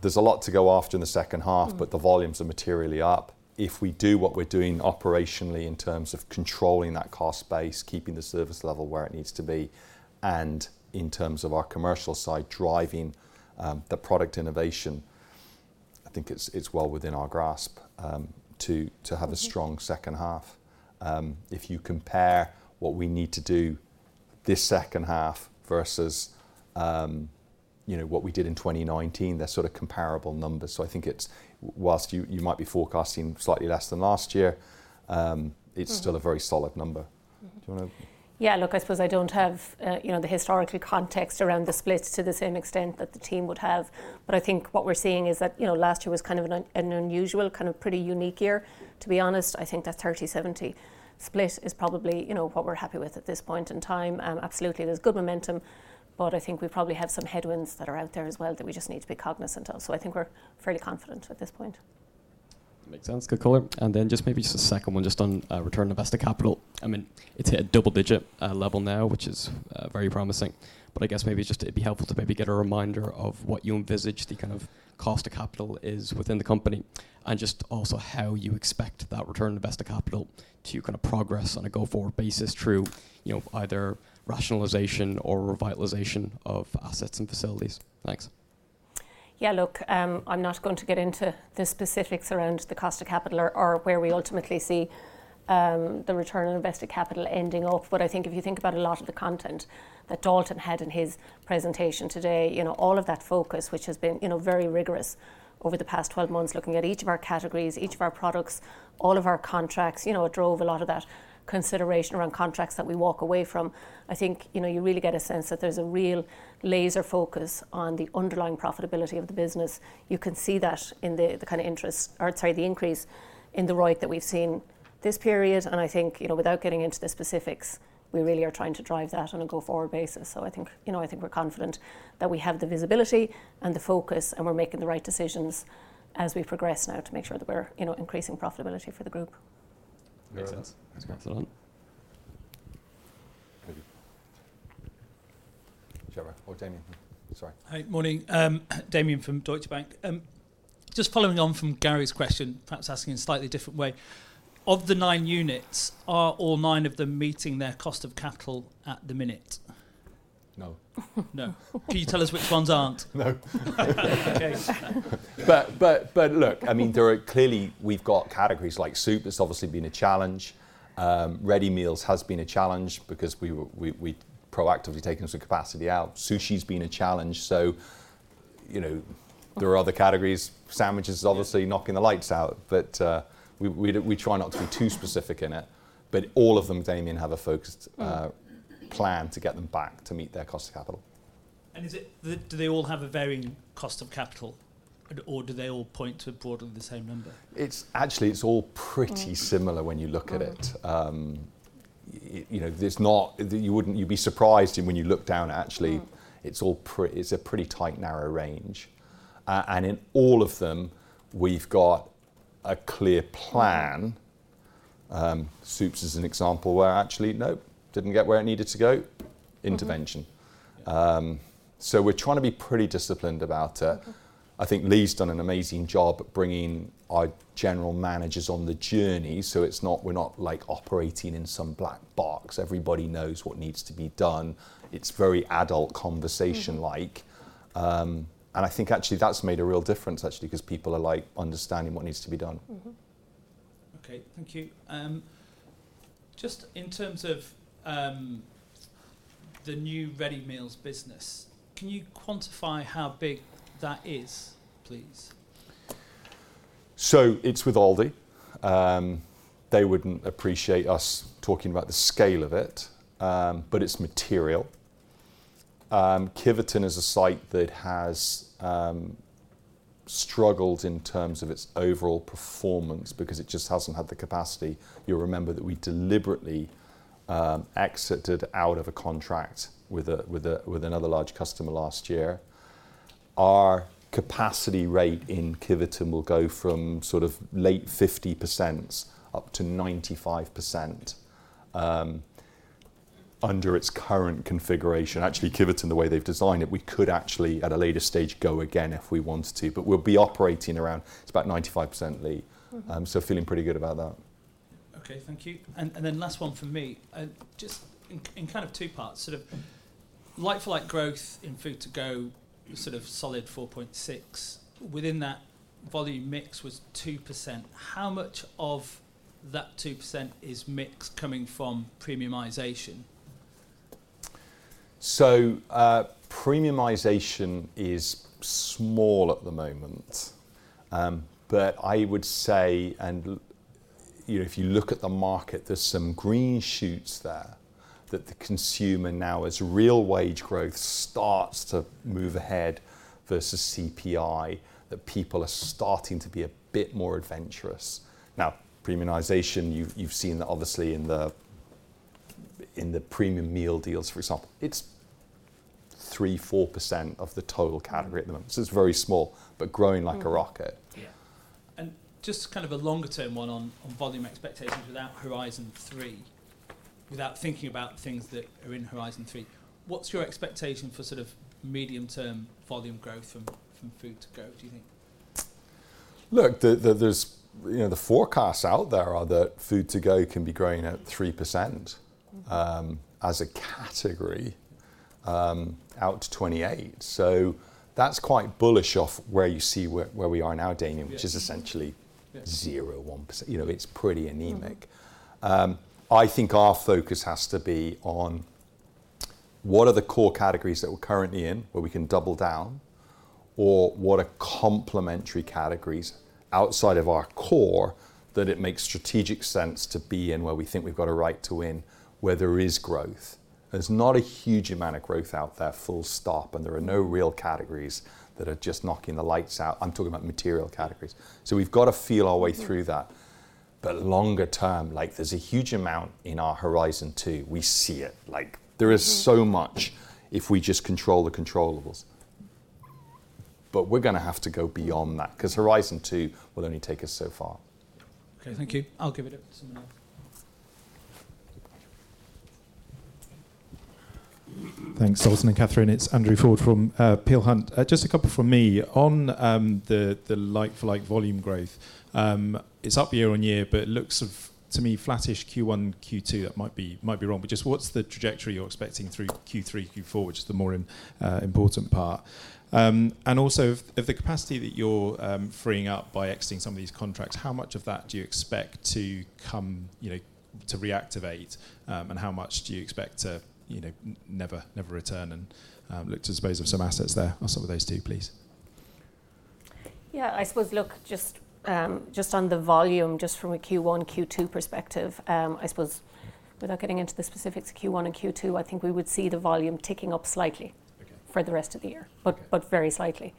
there's a lot to go after in the second half but the volumes are materially up. If we do what we're doing operationally in terms of controlling that cost base, keeping the service level where it needs to be, and in terms of our commercial side, driving the product innovation, I think it's well within our grasp to have a strong second half. If you compare what we need to do this second half versus, you know, what we did in 2019, they're sort of comparable numbers. So I think it's, whilst you might be forecasting slightly less than last year, it's-still a very solid number. Do you wanna? Yeah, look, I suppose I don't have, you know, the historical context around the splits to the same extent that the team would have. But I think what we're seeing is that, you know, last year was kind of an unusual, kind of pretty unique year, to be honest. I think that 30/70 split is probably, you know, what we're happy with at this point in time. Absolutely, there's good momentum, but I think we probably have some headwinds that are out there as well that we just need to be cognizant of. So I think we're fairly confident at this point. Make sense? Good color. And then just maybe just a second one just on return on invested capital. I mean, it's hit double-digit level now, which is very promising. But I guess maybe just it'd be helpful to maybe get a reminder of what you envisage the kind of cost of capital is within the company, and just also how you expect that return on invested capital to kind of progress on a go-forward basis through, you know, either rationalization or revitalization of assets and facilities. Thanks. Yeah, look, I'm not going to get into the specifics around the cost of capital or, or where we ultimately see, the return on invested capital ending up. But I think if you think about a lot of the content that Dalton had in his presentation today, you know, all of that focus, which has been, you know, very rigorous over the past 12 months, looking at each of our categories, each of our products, all of our contracts. You know, it drove a lot of that consideration around contracts that we walk away from. I think, you know, you really get a sense that there's a real laser focus on the underlying profitability of the business. You can see that in the, the kind of interest, or sorry, the increase in the ROIC that we've seen this period. I think, you know, without getting into the specifics, we really are trying to drive that on a go-forward basis. I think, you know, I think we're confident that we have the visibility and the focus, and we're making the right decisions as we progress now to make sure that we're, you know, increasing profitability for the group. Makes sense. Thanks a lot. Excellent. Thank you. Whichever. Oh, Damian. Sorry. Hi. Morning. Damian from Deutsche Bank. Just following on from Gary's question, perhaps asking in a slightly different way: Of the nine units, are all nine of them meeting their cost of capital at the minute? No. No. Can you tell us which ones aren't? No. Okay. But, look, I mean, there are clearly, we've got categories like soup. That's obviously been a challenge. Ready meals has been a challenge because we've proactively taken some capacity out. Sushi's been a challenge, so, you know, there are other categories. Sandwiches is obviously knocking the lights out, but, we try not to be too specific in it, but all of them, Damian, have a focused plan to get them back to meet their cost of capital. Is it, do they all have a varying cost of capital, or do they all point to broadly the same number? It's actually all pretty similar when you look at it. You know, you wouldn't. You'd be surprised when you look down, actually it's all it's a pretty tight, narrow range. In all of them, we've got a clear plan. Soups is an example where actually, nope, didn't get where it needed to go, intervention. So we're trying to be pretty disciplined about it. I think Lee's done an amazing job bringing our general managers on the journey, so it's not, we're not, like, operating in some black box. Everybody knows what needs to be done. It's very adult conversation-like. I think, actually, that's made a real difference, actually, 'cause people are, like, understanding what needs to be done. Okay, thank you. Just in terms of the new ready meals business, can you quantify how big that is, please? It's with Aldi. They wouldn't appreciate us talking about the scale of it, but it's material. Kiveton is a site that has struggled in terms of its overall performance because it just hasn't had the capacity. You'll remember that we deliberately exited out of a contract with another large customer last year. Our capacity rate in Kiveton will go from sort of late 50% up to 95%, under its current configuration. Actually, Kiveton, the way they've designed it, we could actually, at a later stage, go again if we wanted to, but we'll be operating around, it's about 95%, Lee. So feeling pretty good about that. Okay, thank you. And then last one from me. Just in kind of two parts, sort of like-for-like growth in food to go, sort of solid 4.6. Within that volume mix was 2%. How much of that 2% is mix coming from premiumization? So, premiumization is small at the moment. But I would say, you know, if you look at the market, there's some green shoots there that the consumer now, as real wage growth starts to move ahead versus CPI, that people are starting to be a bit more adventurous. Now, premiumization, you've seen that obviously in the premium meal deals, for example, it's 3% to 4% of the total category at the moment, so it's very small, but growing like a rocket. Yeah. And just kind of a longer-term one on, on volume expectations without Horizon Three, without thinking about things that are in Horizon Three, what's your expectation for sort of medium-term volume growth from, from food to go, do you think? Look, you know, the forecasts out there are that food to go can be growing at 3% as a category, out to 28. So that's quite bullish off where you see where, where we are now, Damian which is essentially 0.1%. You know, it's pretty anemic. I think our focus has to be on: What are the core categories that we're currently in, where we can double down? Or what are complementary categories outside of our core, that it makes strategic sense to be in, where we think we've got a right to win, where there is growth? There's not a huge amount of growth out there, full stop, and there are no real categories that are just knocking the lights out. I'm talking about material categories. So we've got to feel our way through that. But longer term, like, there's a huge amount in our Horizon 2. We see it. Like there is so much if we just control the controllables. But we're gonna have to go beyond that, 'cause Horizon Two will only take us so far. Okay, thank you. I'll give it up to someone else. Thanks, Dalton and Catherine. It's Andrew Ford from Peel Hunt. Just a couple from me. On the like-for-like volume growth, it's up year-on-year, but it looks off to me flattish Q1, Q2. That might be wrong, but just what's the trajectory you're expecting through Q3, Q4, which is the more important part? And also, if the capacity that you're freeing up by exiting some of these contracts, how much of that do you expect to come, you know, to reactivate? And how much do you expect to, you know, never return and look to dispose of some assets there? I'll start with those two, please. Yeah, I suppose, look, just, just on the volume, just from a Q1, Q2 perspective, I suppose, without getting into the specifics of Q1 and Q2, I think we would see the volume ticking up slightly for the rest of the year. Okay. But very slightly.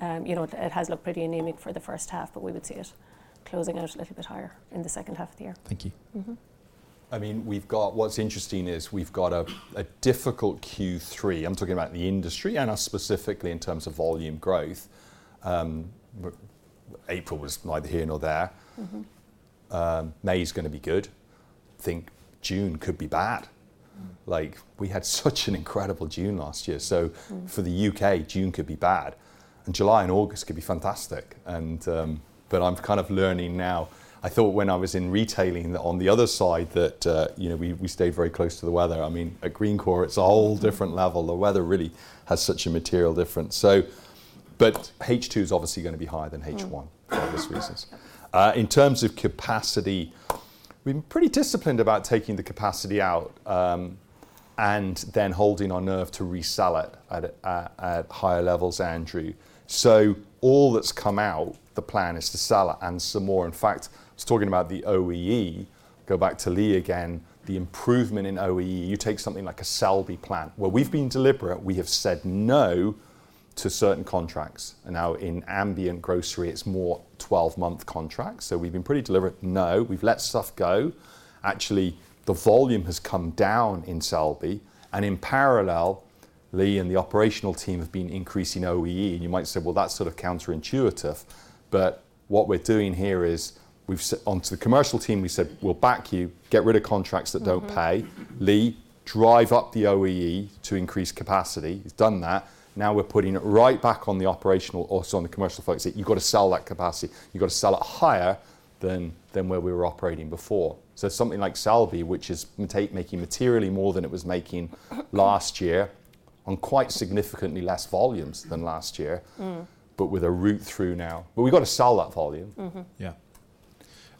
Yeah. You know, it has looked pretty anemic for the first half, but we would see it closing out a little bit higher in the second half of the year. Thank you. I mean, we've got. What's interesting is, we've got a difficult Q3. I'm talking about the industry and us specifically in terms of volume growth. But April was neither here nor there. May is gonna be good. Think June could be bad. Like, we had such an incredible June last year. So for the UK, June could be bad, and July and August could be fantastic. But I'm kind of learning now. I thought when I was in retailing, on the other side, that, you know, we stayed very close to the weather. I mean, at Greencore, it's a whole different level. The weather really has such a material difference. So, but H2 is obviously gonna be higher than H1 for obvious reasons. In terms of capacity, we've been pretty disciplined about taking the capacity out, and then holding our nerve to resell it at higher levels, Andrew. So all that's come out, the plan is to sell it, and some more. In fact, I was talking about the OEE, go back to Lee again, the improvement in OEE. You take something like a Selby plant, where we've been deliberate, we have said no to certain contracts. Now in ambient grocery, it's more 12-month contracts, so we've been pretty deliberate. No, we've let stuff go. Actually, the volume has come down in Selby, and in parallel, Lee and the operational team have been increasing OEE, and you might say, "Well, that's sort of counterintuitive," but what we're doing here is, we've said to the commercial team, we said, "We'll back you. Get rid of contracts that don't pay. Lee, drive up the OEE to increase capacity." He's done that. Now we're putting it right back on the operational, also on the commercial folks, say, "You've got to sell that capacity. You've got to sell it higher than, than where we were operating before." So something like Selby, which is making materially more than it was making last year, on quite significantly less volumes than last year but with a route through now. We've got to sell that volume. Yeah.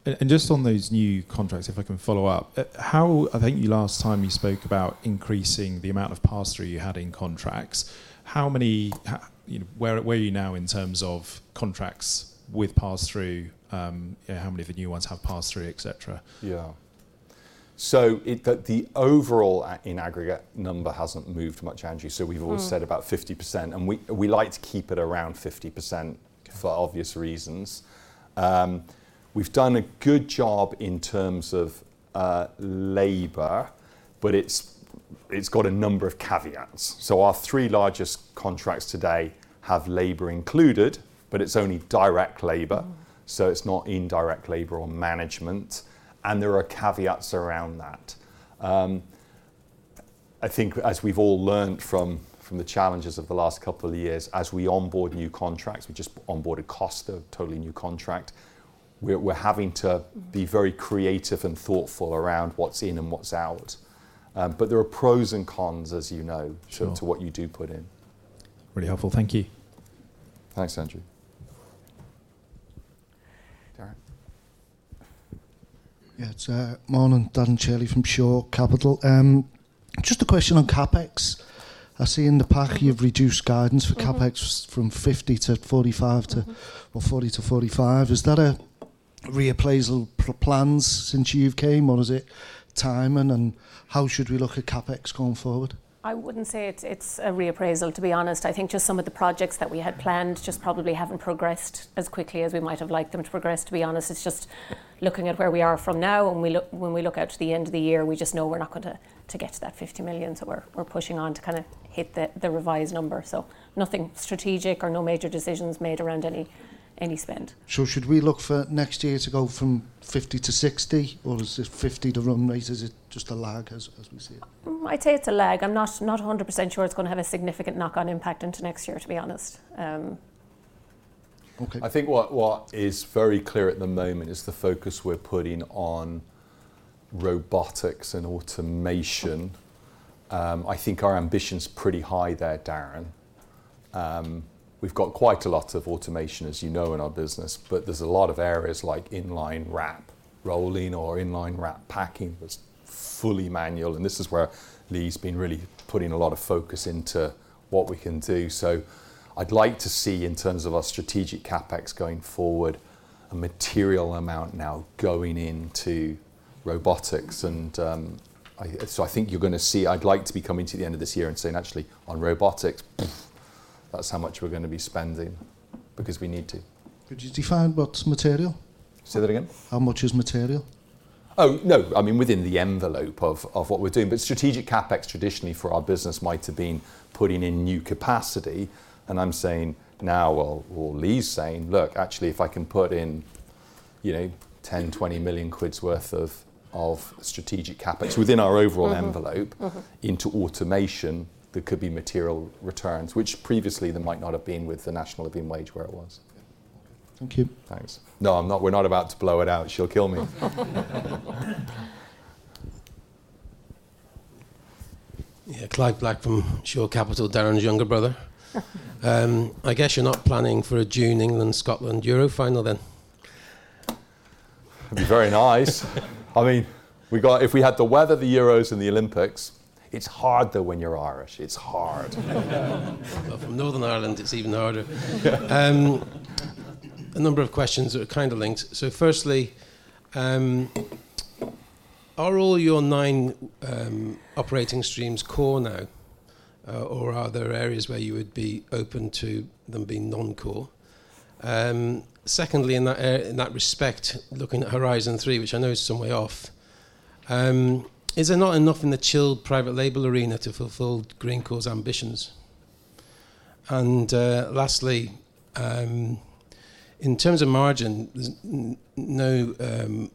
And, and just on those new contracts, if I can follow up, how I think you last time you spoke about increasing the amount of pass-through you had in contracts, how many, you know, where are, where are you now in terms of contracts with pass-through? Yeah, how many of the new ones have pass-through, et cetera? Yeah. So it, the overall in aggregate number hasn't moved much, Andrew. So we've always said about 50%, and we like to keep it around 50%, for obvious reasons. We've done a good job in terms of labor, but it's got a number of caveats. So our three largest contracts today have labor included, but it's only direct labor. So it's not indirect labor or management, and there are caveats around that. I think as we've all learned from the challenges of the last couple of years, as we onboard new contracts, we just onboarded Costa, a totally new contract, we're having to be very creative and thoughtful around what's in and what's out. But there are pros and cons, as you know- Sure... to what you do put in. Really helpful. Thank you. Thanks, Andrew. Darren? Yeah, it's morning, Darren Shirley from Shore Capital. Just a question on CapEx. I see in the pack you've reduced guidance for CapEx from 50 to 45, to or 40 to 45. Is that a reappraisal plans since you've came, or is it timing, and how should we look at CapEx going forward? I wouldn't say it's a reappraisal, to be honest. I think just some of the projects that we had planned just probably haven't progressed as quickly as we might have liked them to progress, to be honest. It's just looking at where we are from now. When we look out to the end of the year, we just know we're not going to get to that 50 million. So we're pushing on to kind of hit the revised number. So nothing strategic or no major decisions made around any spend. So should we look for next year to go from 50 to 60, or is it 50 to run rate? Is it just a lag as we see it? I'd say it's a lag. I'm not, not 100% sure it's gonna have a significant knock-on impact into next year, to be honest. Okay. I think what is very clear at the moment is the focus we're putting on robotics and automation. I think our ambition's pretty high there, Darren. We've got quite a lot of automation, as you know, in our business, but there's a lot of areas like in-line wrap, rolling or in-line wrap packing, that's fully manual, and this is where Lee's been really putting a lot of focus into what we can do. So I'd like to see, in terms of our strategic CapEx going forward, a material amount now going into robotics and, so I think you're gonna see. I'd like to be coming to the end of this year and saying, "Actually, on robotics, that's how much we're gonna be spending," because we need to. Could you define what's material? Say that again? How much is material? Oh, no, I mean, within the envelope of, of what we're doing. But strategic CapEx traditionally for our business might have been putting in new capacity, and I'm saying now, or, or Lee's saying, "Look, actually, if I can put in, you know, 10 million to 20 million quids worth of, of strategic CapEx within our overall envelope into automation, there could be material returns," which previously there might not have been with the National Living Wage where it was. Thank you. Thanks. No, I'm not, we're not about to blow it out. She'll kill me. Yeah, Clive Black from Shore Capital, Darren's younger brother. I guess you're not planning for a June England, Scotland Euro final then? It'd be very nice. I mean, if we had the weather, the Euros and the Olympics... It's hard, though, when you're Irish. It's hard. Well, from Northern Ireland, it's even harder. Yeah. A number of questions that are kind of linked. So firstly, are all your nine operating streams core now, or are there areas where you would be open to them being non-core? Secondly, in that respect, looking at Horizon Three, which I know is some way off, is there not enough in the chilled private label arena to fulfill Greencore's ambitions? And lastly, in terms of margin, there's no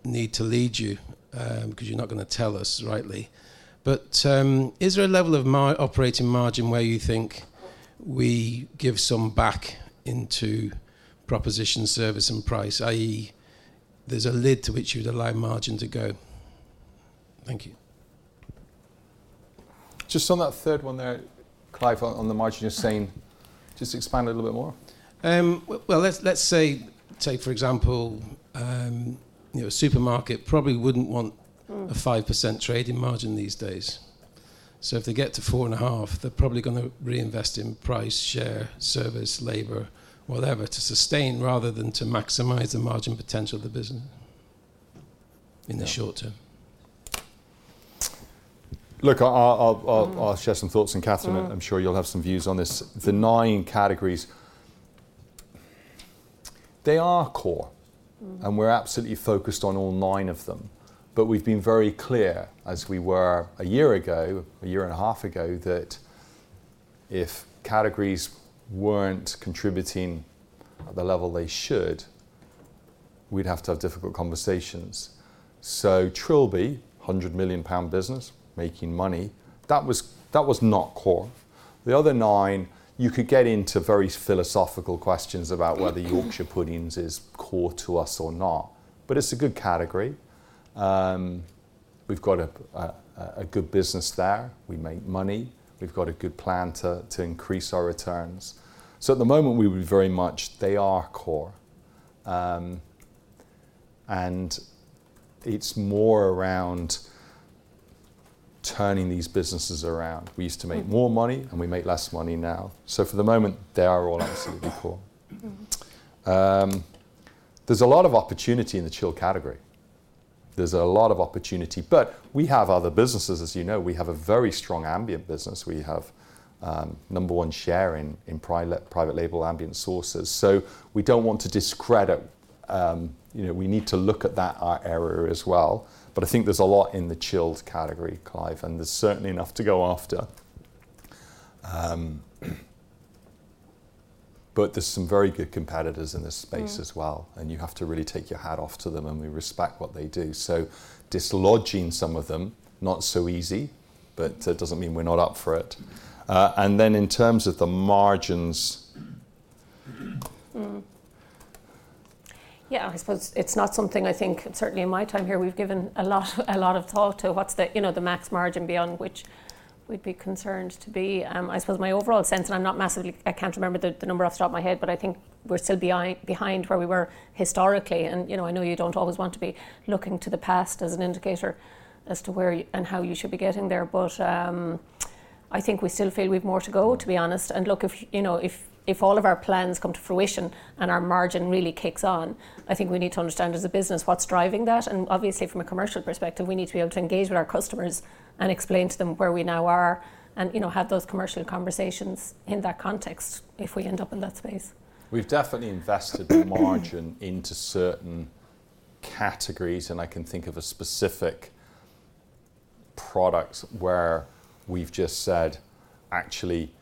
need to lead you, 'cause you're not gonna tell us, rightly. But, is there a level of operating margin where you think we give some back into proposition, service, and price, i.e., there's a lid to which you'd allow margin to go? Thank you. Just on that third one there, Clive, on, on the margin, you're saying, just expand a little bit more. Well, let's say, take, for example, you know, a supermarket probably wouldn't want a 5% trading margin these days. So if they get to 4.5%, they're probably gonna reinvest in price, share, service, labor, whatever, to sustain rather than to maximize the margin potential of the business in the short term. Look, I'll share some thoughts, and Catherine I'm sure you'll have some views on this. The nine categories, they are core. And we're absolutely focused on all nine of them. But we've been very clear, as we were a year ago, a year and a half ago, that if categories weren't contributing at the level they should, we'd have to have difficult conversations. So Trilby, 100 million pound business, making money, that was, that was not core. The other nine, you could get into very philosophical questions about whether... Yorkshire puddings is core to us or not, but it's a good category. We've got a good business there. We make money. We've got a good plan to increase our returns. So at the moment, we would very much. They are core. And it's more around turning these businesses around. We used to make more money, and we make less money now. So for the moment, they are all absolutely core. There's a lot of opportunity in the chilled category. There's a lot of opportunity, but we have other businesses, as you know. We have a very strong ambient business. We have number one share in private label ambient sauces. So we don't want to discredit, you know, we need to look at that area as well. But I think there's a lot in the chilled category, Clive, and there's certainly enough to go after. But there's some very good competitors in this space as well and you have to really take your hat off to them, and we respect what they do. So dislodging some of them, not so easy, but that doesn't mean we're not up for it. And then in terms of the margins. Yeah, I suppose it's not something I think, certainly in my time here, we've given a lot, a lot of thought to what's the, you know, the max margin beyond which we'd be concerned to be. I suppose my overall sense, and I'm not massively, I can't remember the, the number off the top of my head, but I think we're still behind, behind where we were historically. And, you know, I know you don't always want to be looking to the past as an indicator as to where you, and how you should be getting there, but, I think we still feel we've more to go, to be honest. And look, if, you know, if, if all of our plans come to fruition and our margin really kicks on, I think we need to understand, as a business, what's driving that. Obviously, from a commercial perspective, we need to be able to engage with our customers and explain to them where we now are and, you know, have those commercial conversations in that context, if we end up in that space. We've definitely invested the margin into certain categories, and I can think of a specific product where we've just said, "Actually,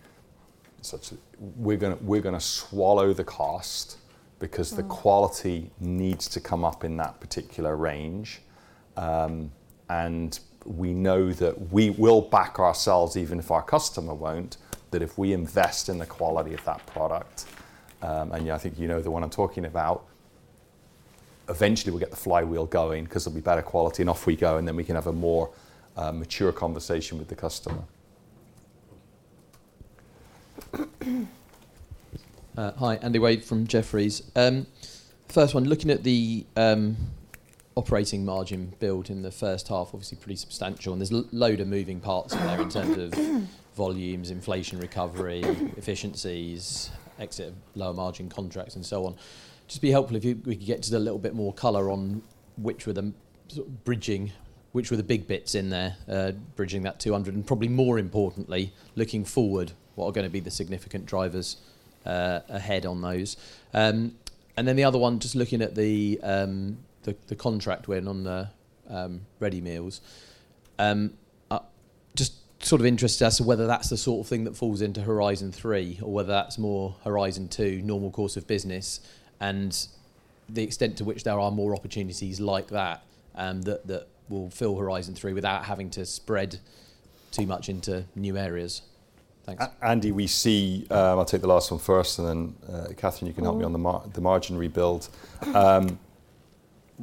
we're gonna swallow the cost, because the quality needs to come up in that particular range." And we know that we will back ourselves, even if our customer won't, that if we invest in the quality of that product, and yeah, I think you know the one I'm talking about, eventually we'll get the flywheel going, 'cause there'll be better quality, and off we go, and then we can have a more, mature conversation with the customer. Hi, Andy Wade from Jefferies. First one, looking at the operating margin build in the first half, obviously pretty substantial, and there's a load of moving parts in there in terms of volumes, inflation, recovery, efficiencies, exit of lower margin contracts, and so on. Just be helpful if you, we could get just a little bit more color on which were the sort of bridging, which were the big bits in there, bridging that 200? And probably more importantly, looking forward, what are gonna be the significant drivers ahead on those. And then the other one, just looking at the contract win on the ready meals. Just sort of interested as to whether that's the sort of thing that falls into Horizon Three, or whether that's more Horizon Two, normal course of business, and the extent to which there are more opportunities like that, that will fill Horizon Three without having to spread too much into new areas. Thanks. Andy, we see. I'll take the last one first, and then, Catherine, you can help me on the margin rebuild.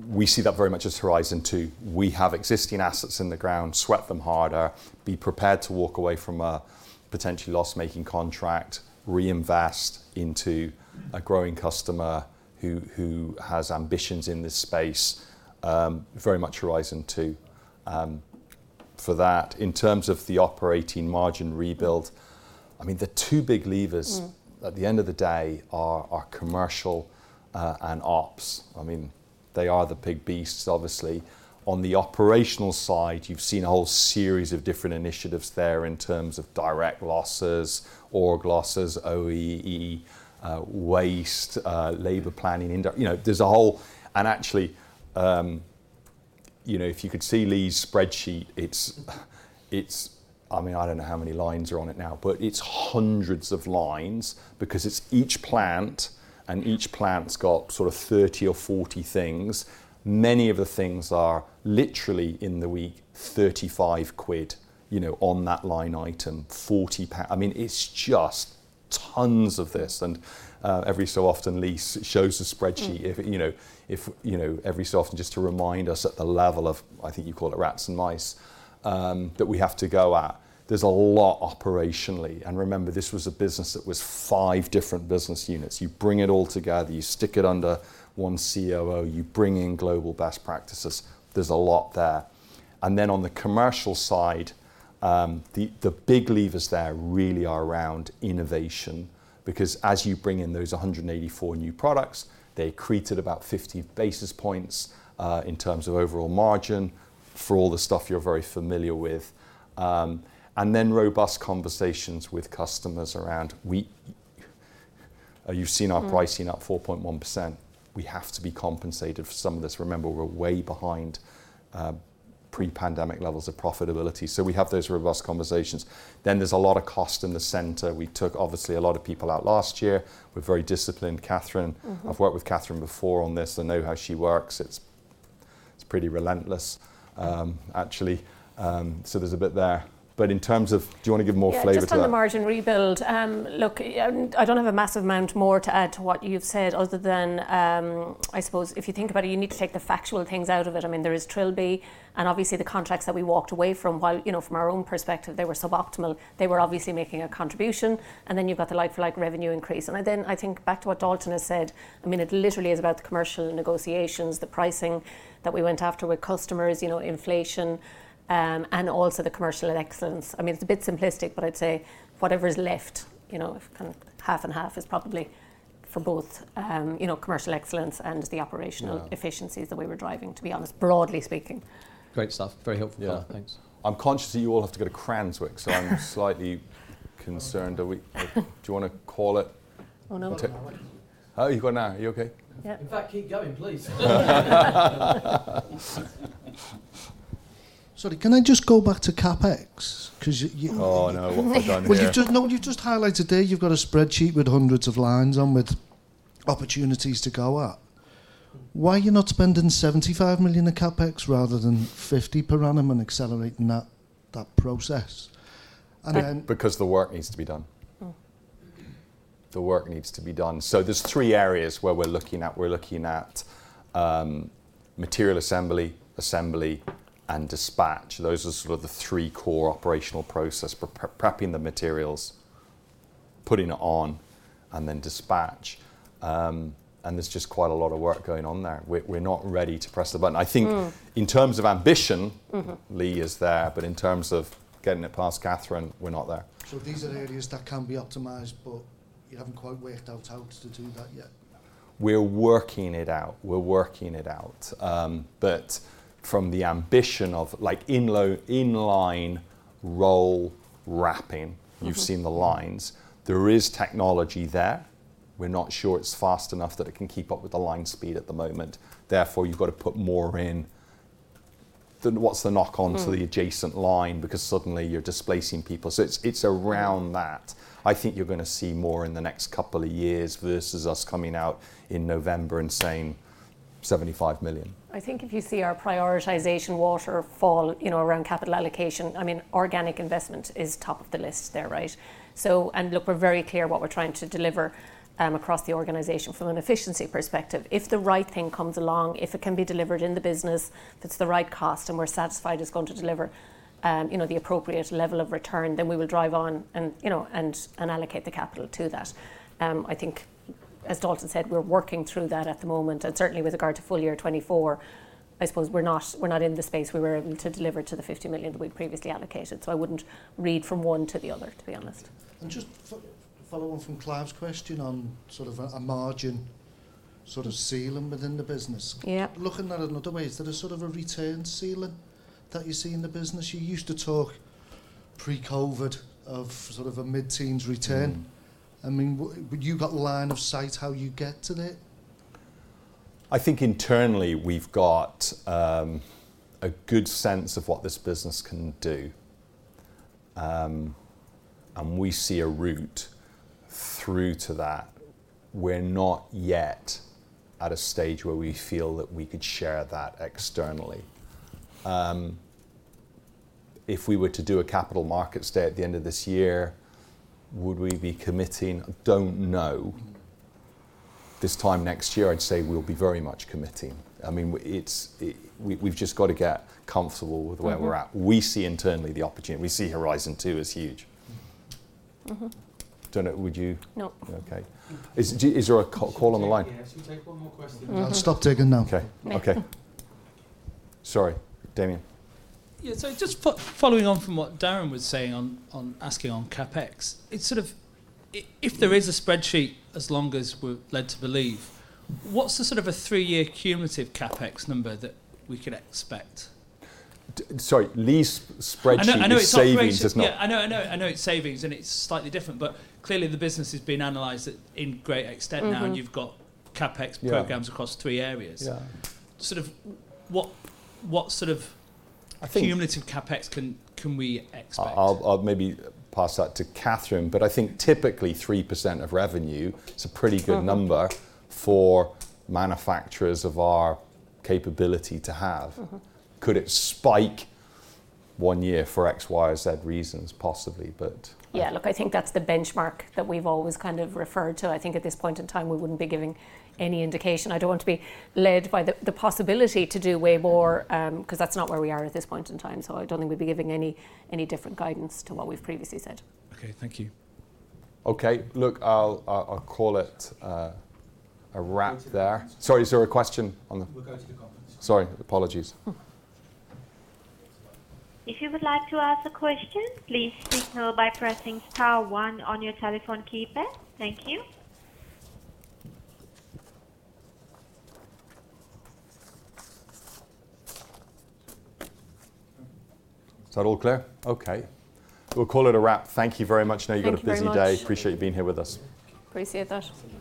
We see that very much as Horizon Two. We have existing assets in the ground, sweat them harder, be prepared to walk away from a potentially loss-making contract, reinvest into a growing customer who, who has ambitions in this space. Very much Horizon Two, for that. In terms of the operating margin rebuild, I mean, the two big levers at the end of the day are commercial and ops. I mean, they are the big beasts, obviously. On the operational side, you've seen a whole series of different initiatives there in terms of direct losses, org losses, OEE, waste, labor planning, and, you know, there's a whole. And actually, you know, if you could see Lee's spreadsheet, it's, I mean, I don't know how many lines are on it now, but it's hundreds of lines because it's each plant, and each plant's got sort of 30 or 40 things. Many of the things are literally in the week, 35 quid, you know, on that line item, 40 pounds. I mean, it's just tons of this, and, every so often, Lee shows the spreadsheet if, you know, every so often just to remind us at the level of, I think you call it rats and mice, that we have to go at. There's a lot operationally, and remember, this was a business that was five different business units. You bring it all together, you stick it under one COO, you bring in global best practices. There's a lot there. And then on the commercial side, the big levers there really are around innovation, because as you bring in those 184 new products, they accreted about 50 basis points in terms of overall margin for all the stuff you're very familiar with. And then robust conversations with customers around you've seen our pricing up 4.1%. We have to be compensated for some of this. Remember, we're way behind pre-pandemic levels of profitability, so we have those robust conversations. Then there's a lot of cost in the center. We took, obviously, a lot of people out last year. We're very disciplined. Catherine, I've worked with Catherine before on this. I know how she works. It's, it's pretty relentless, actually. So there's a bit there. But in terms of, do you want to give more flavor to that? Yeah, just on the margin rebuild, look, I don't have a massive amount more to add to what you've said other than, I suppose if you think about it, you need to take the factual things out of it. I mean, there is Trilby, and obviously, the contracts that we walked away from, while, you know, from our own perspective, they were suboptimal, they were obviously making a contribution. And then you've got the like-for-like revenue increase. And then I think back to what Dalton has said, I mean, it literally is about the commercial negotiations, the pricing that we went after with customers, you know, inflation, and also the commercial excellence. I mean, it's a bit simplistic, but I'd say whatever is left, you know, kind of half and half is probably for both, you know, commercial excellence and the operational- Yeah... efficiencies that we were driving, to be honest, broadly speaking. Great stuff. Very helpful. Yeah. Thanks. I'm conscious that you all have to go to Cranswick, so I'm slightly concerned. Are we- Do you wanna call it? Oh, no. Oh, you've got now. Are you okay? Yeah. In fact, keep going, please. Sorry, can I just go back to CapEx? 'Cause y- Oh, no, what have I done here? You've just highlighted there you've got a spreadsheet with hundreds of lines on, with opportunities to go at. Why are you not spending 75 million in CapEx rather than 50 million per annum and accelerating that, that process? Because the work needs to be done. The work needs to be done. So there's three areas where we're looking at. We're looking at material assembly, assembly, and dispatch. Those are sort of the three core operational process, prepping the materials, putting it on, and then dispatch. And there's just quite a lot of work going on there. We're not ready to press the button. I think in terms of ambition Lee is there, but in terms of getting it past Catherine, we're not there These are areas that can be optimized, but you haven't quite worked out how to do that yet? We're working it out. We're working it out. But from the ambition of, like, in-line roll wrapping you've seen the lines. There is technology there. We're not sure it's fast enough that it can keep up with the line speed at the moment. Therefore, you've got to put more in. Then what's the knock-on to the adjacent line? Because suddenly you're displacing people. So it's, it's around that. I think you're gonna see more in the next couple of years versus us coming out in November and saying, "75 million. I think if you see our prioritization waterfall, you know, around capital allocation, I mean, organic investment is top of the list there, right? So, and look, we're very clear what we're trying to deliver, across the organization from an efficiency perspective. If the right thing comes along, if it can be delivered in the business, that's the right cost, and we're satisfied it's going to deliver, you know, the appropriate level of return, then we will drive on, and, you know, allocate the capital to that. I think, as Dalton said, we're working through that at the moment, and certainly with regard to full year 2024, I suppose we're not, we're not in the space where we're able to deliver to the 50 million that we'd previously allocated, so I wouldn't read from one to the other, to be honest. And just following from Clive's question on sort of a margin ceiling within the business? Yeah. Looking at it another way, is there a sort of a return ceiling that you see in the business? You used to talk pre-COVID of sort of a mid-teens return. I mean, would you got line of sight how you get to that? I think internally we've got a good sense of what this business can do. We see a route through to that. We're not yet at a stage where we feel that we could share that externally. If we were to do a capital markets day at the end of this year, would we be committing? Don't know. This time next year, I'd say we'll be very much committing. I mean, it's, we've just got to get comfortable with where we're at. We see internally the opportunity. We see Horizon Two as huge. Don't know, would you? No. Okay. Is there a call on the line? Yeah, should we take one more question? I'll stop talking now. Okay. Yeah. Okay. Sorry, Damian. Yeah, so just following on from what Darren was saying on, on asking on CapEx, it's sort of, if there is a spreadsheet, as long as we're led to believe, what's the sort of a three-year cumulative CapEx number that we could expect? Sorry, lease spreadsheet is savings- I know, I know it's not-... it's not- Yeah, I know, I know, I know it's savings, and it's slightly different, but clearly the business is being analyzed in great extent now and you've got CapEx programs across three areas. Yeah. Sort of what sort of cumulative CapEx can we expect? I'll maybe pass that to Catherine, but I think typically 3% of revenue. It's a pretty good number for manufacturers of our capability to have. Could it spike one year for X, Y, or Z reasons? Possibly, but- Yeah, look, I think that's the benchmark that we've always kind of referred to. I think at this point in time, we wouldn't be giving any indication. I don't want to be led by the possibility to do way more, because that's not where we are at this point in time. So I don't think we'd be giving any different guidance to what we've previously said. Okay, thank you. Okay. Look, I'll call it a wrap there. Go to the conference. Sorry, apologies. If you would like to ask a question, please signal by pressing star one on your telephone keypad. Thank you. Is that all clear? Okay. We'll call it a wrap. Thank you very much. Thank you very much. I know you've got a busy day. Appreciate you being here with us. Appreciate that. God.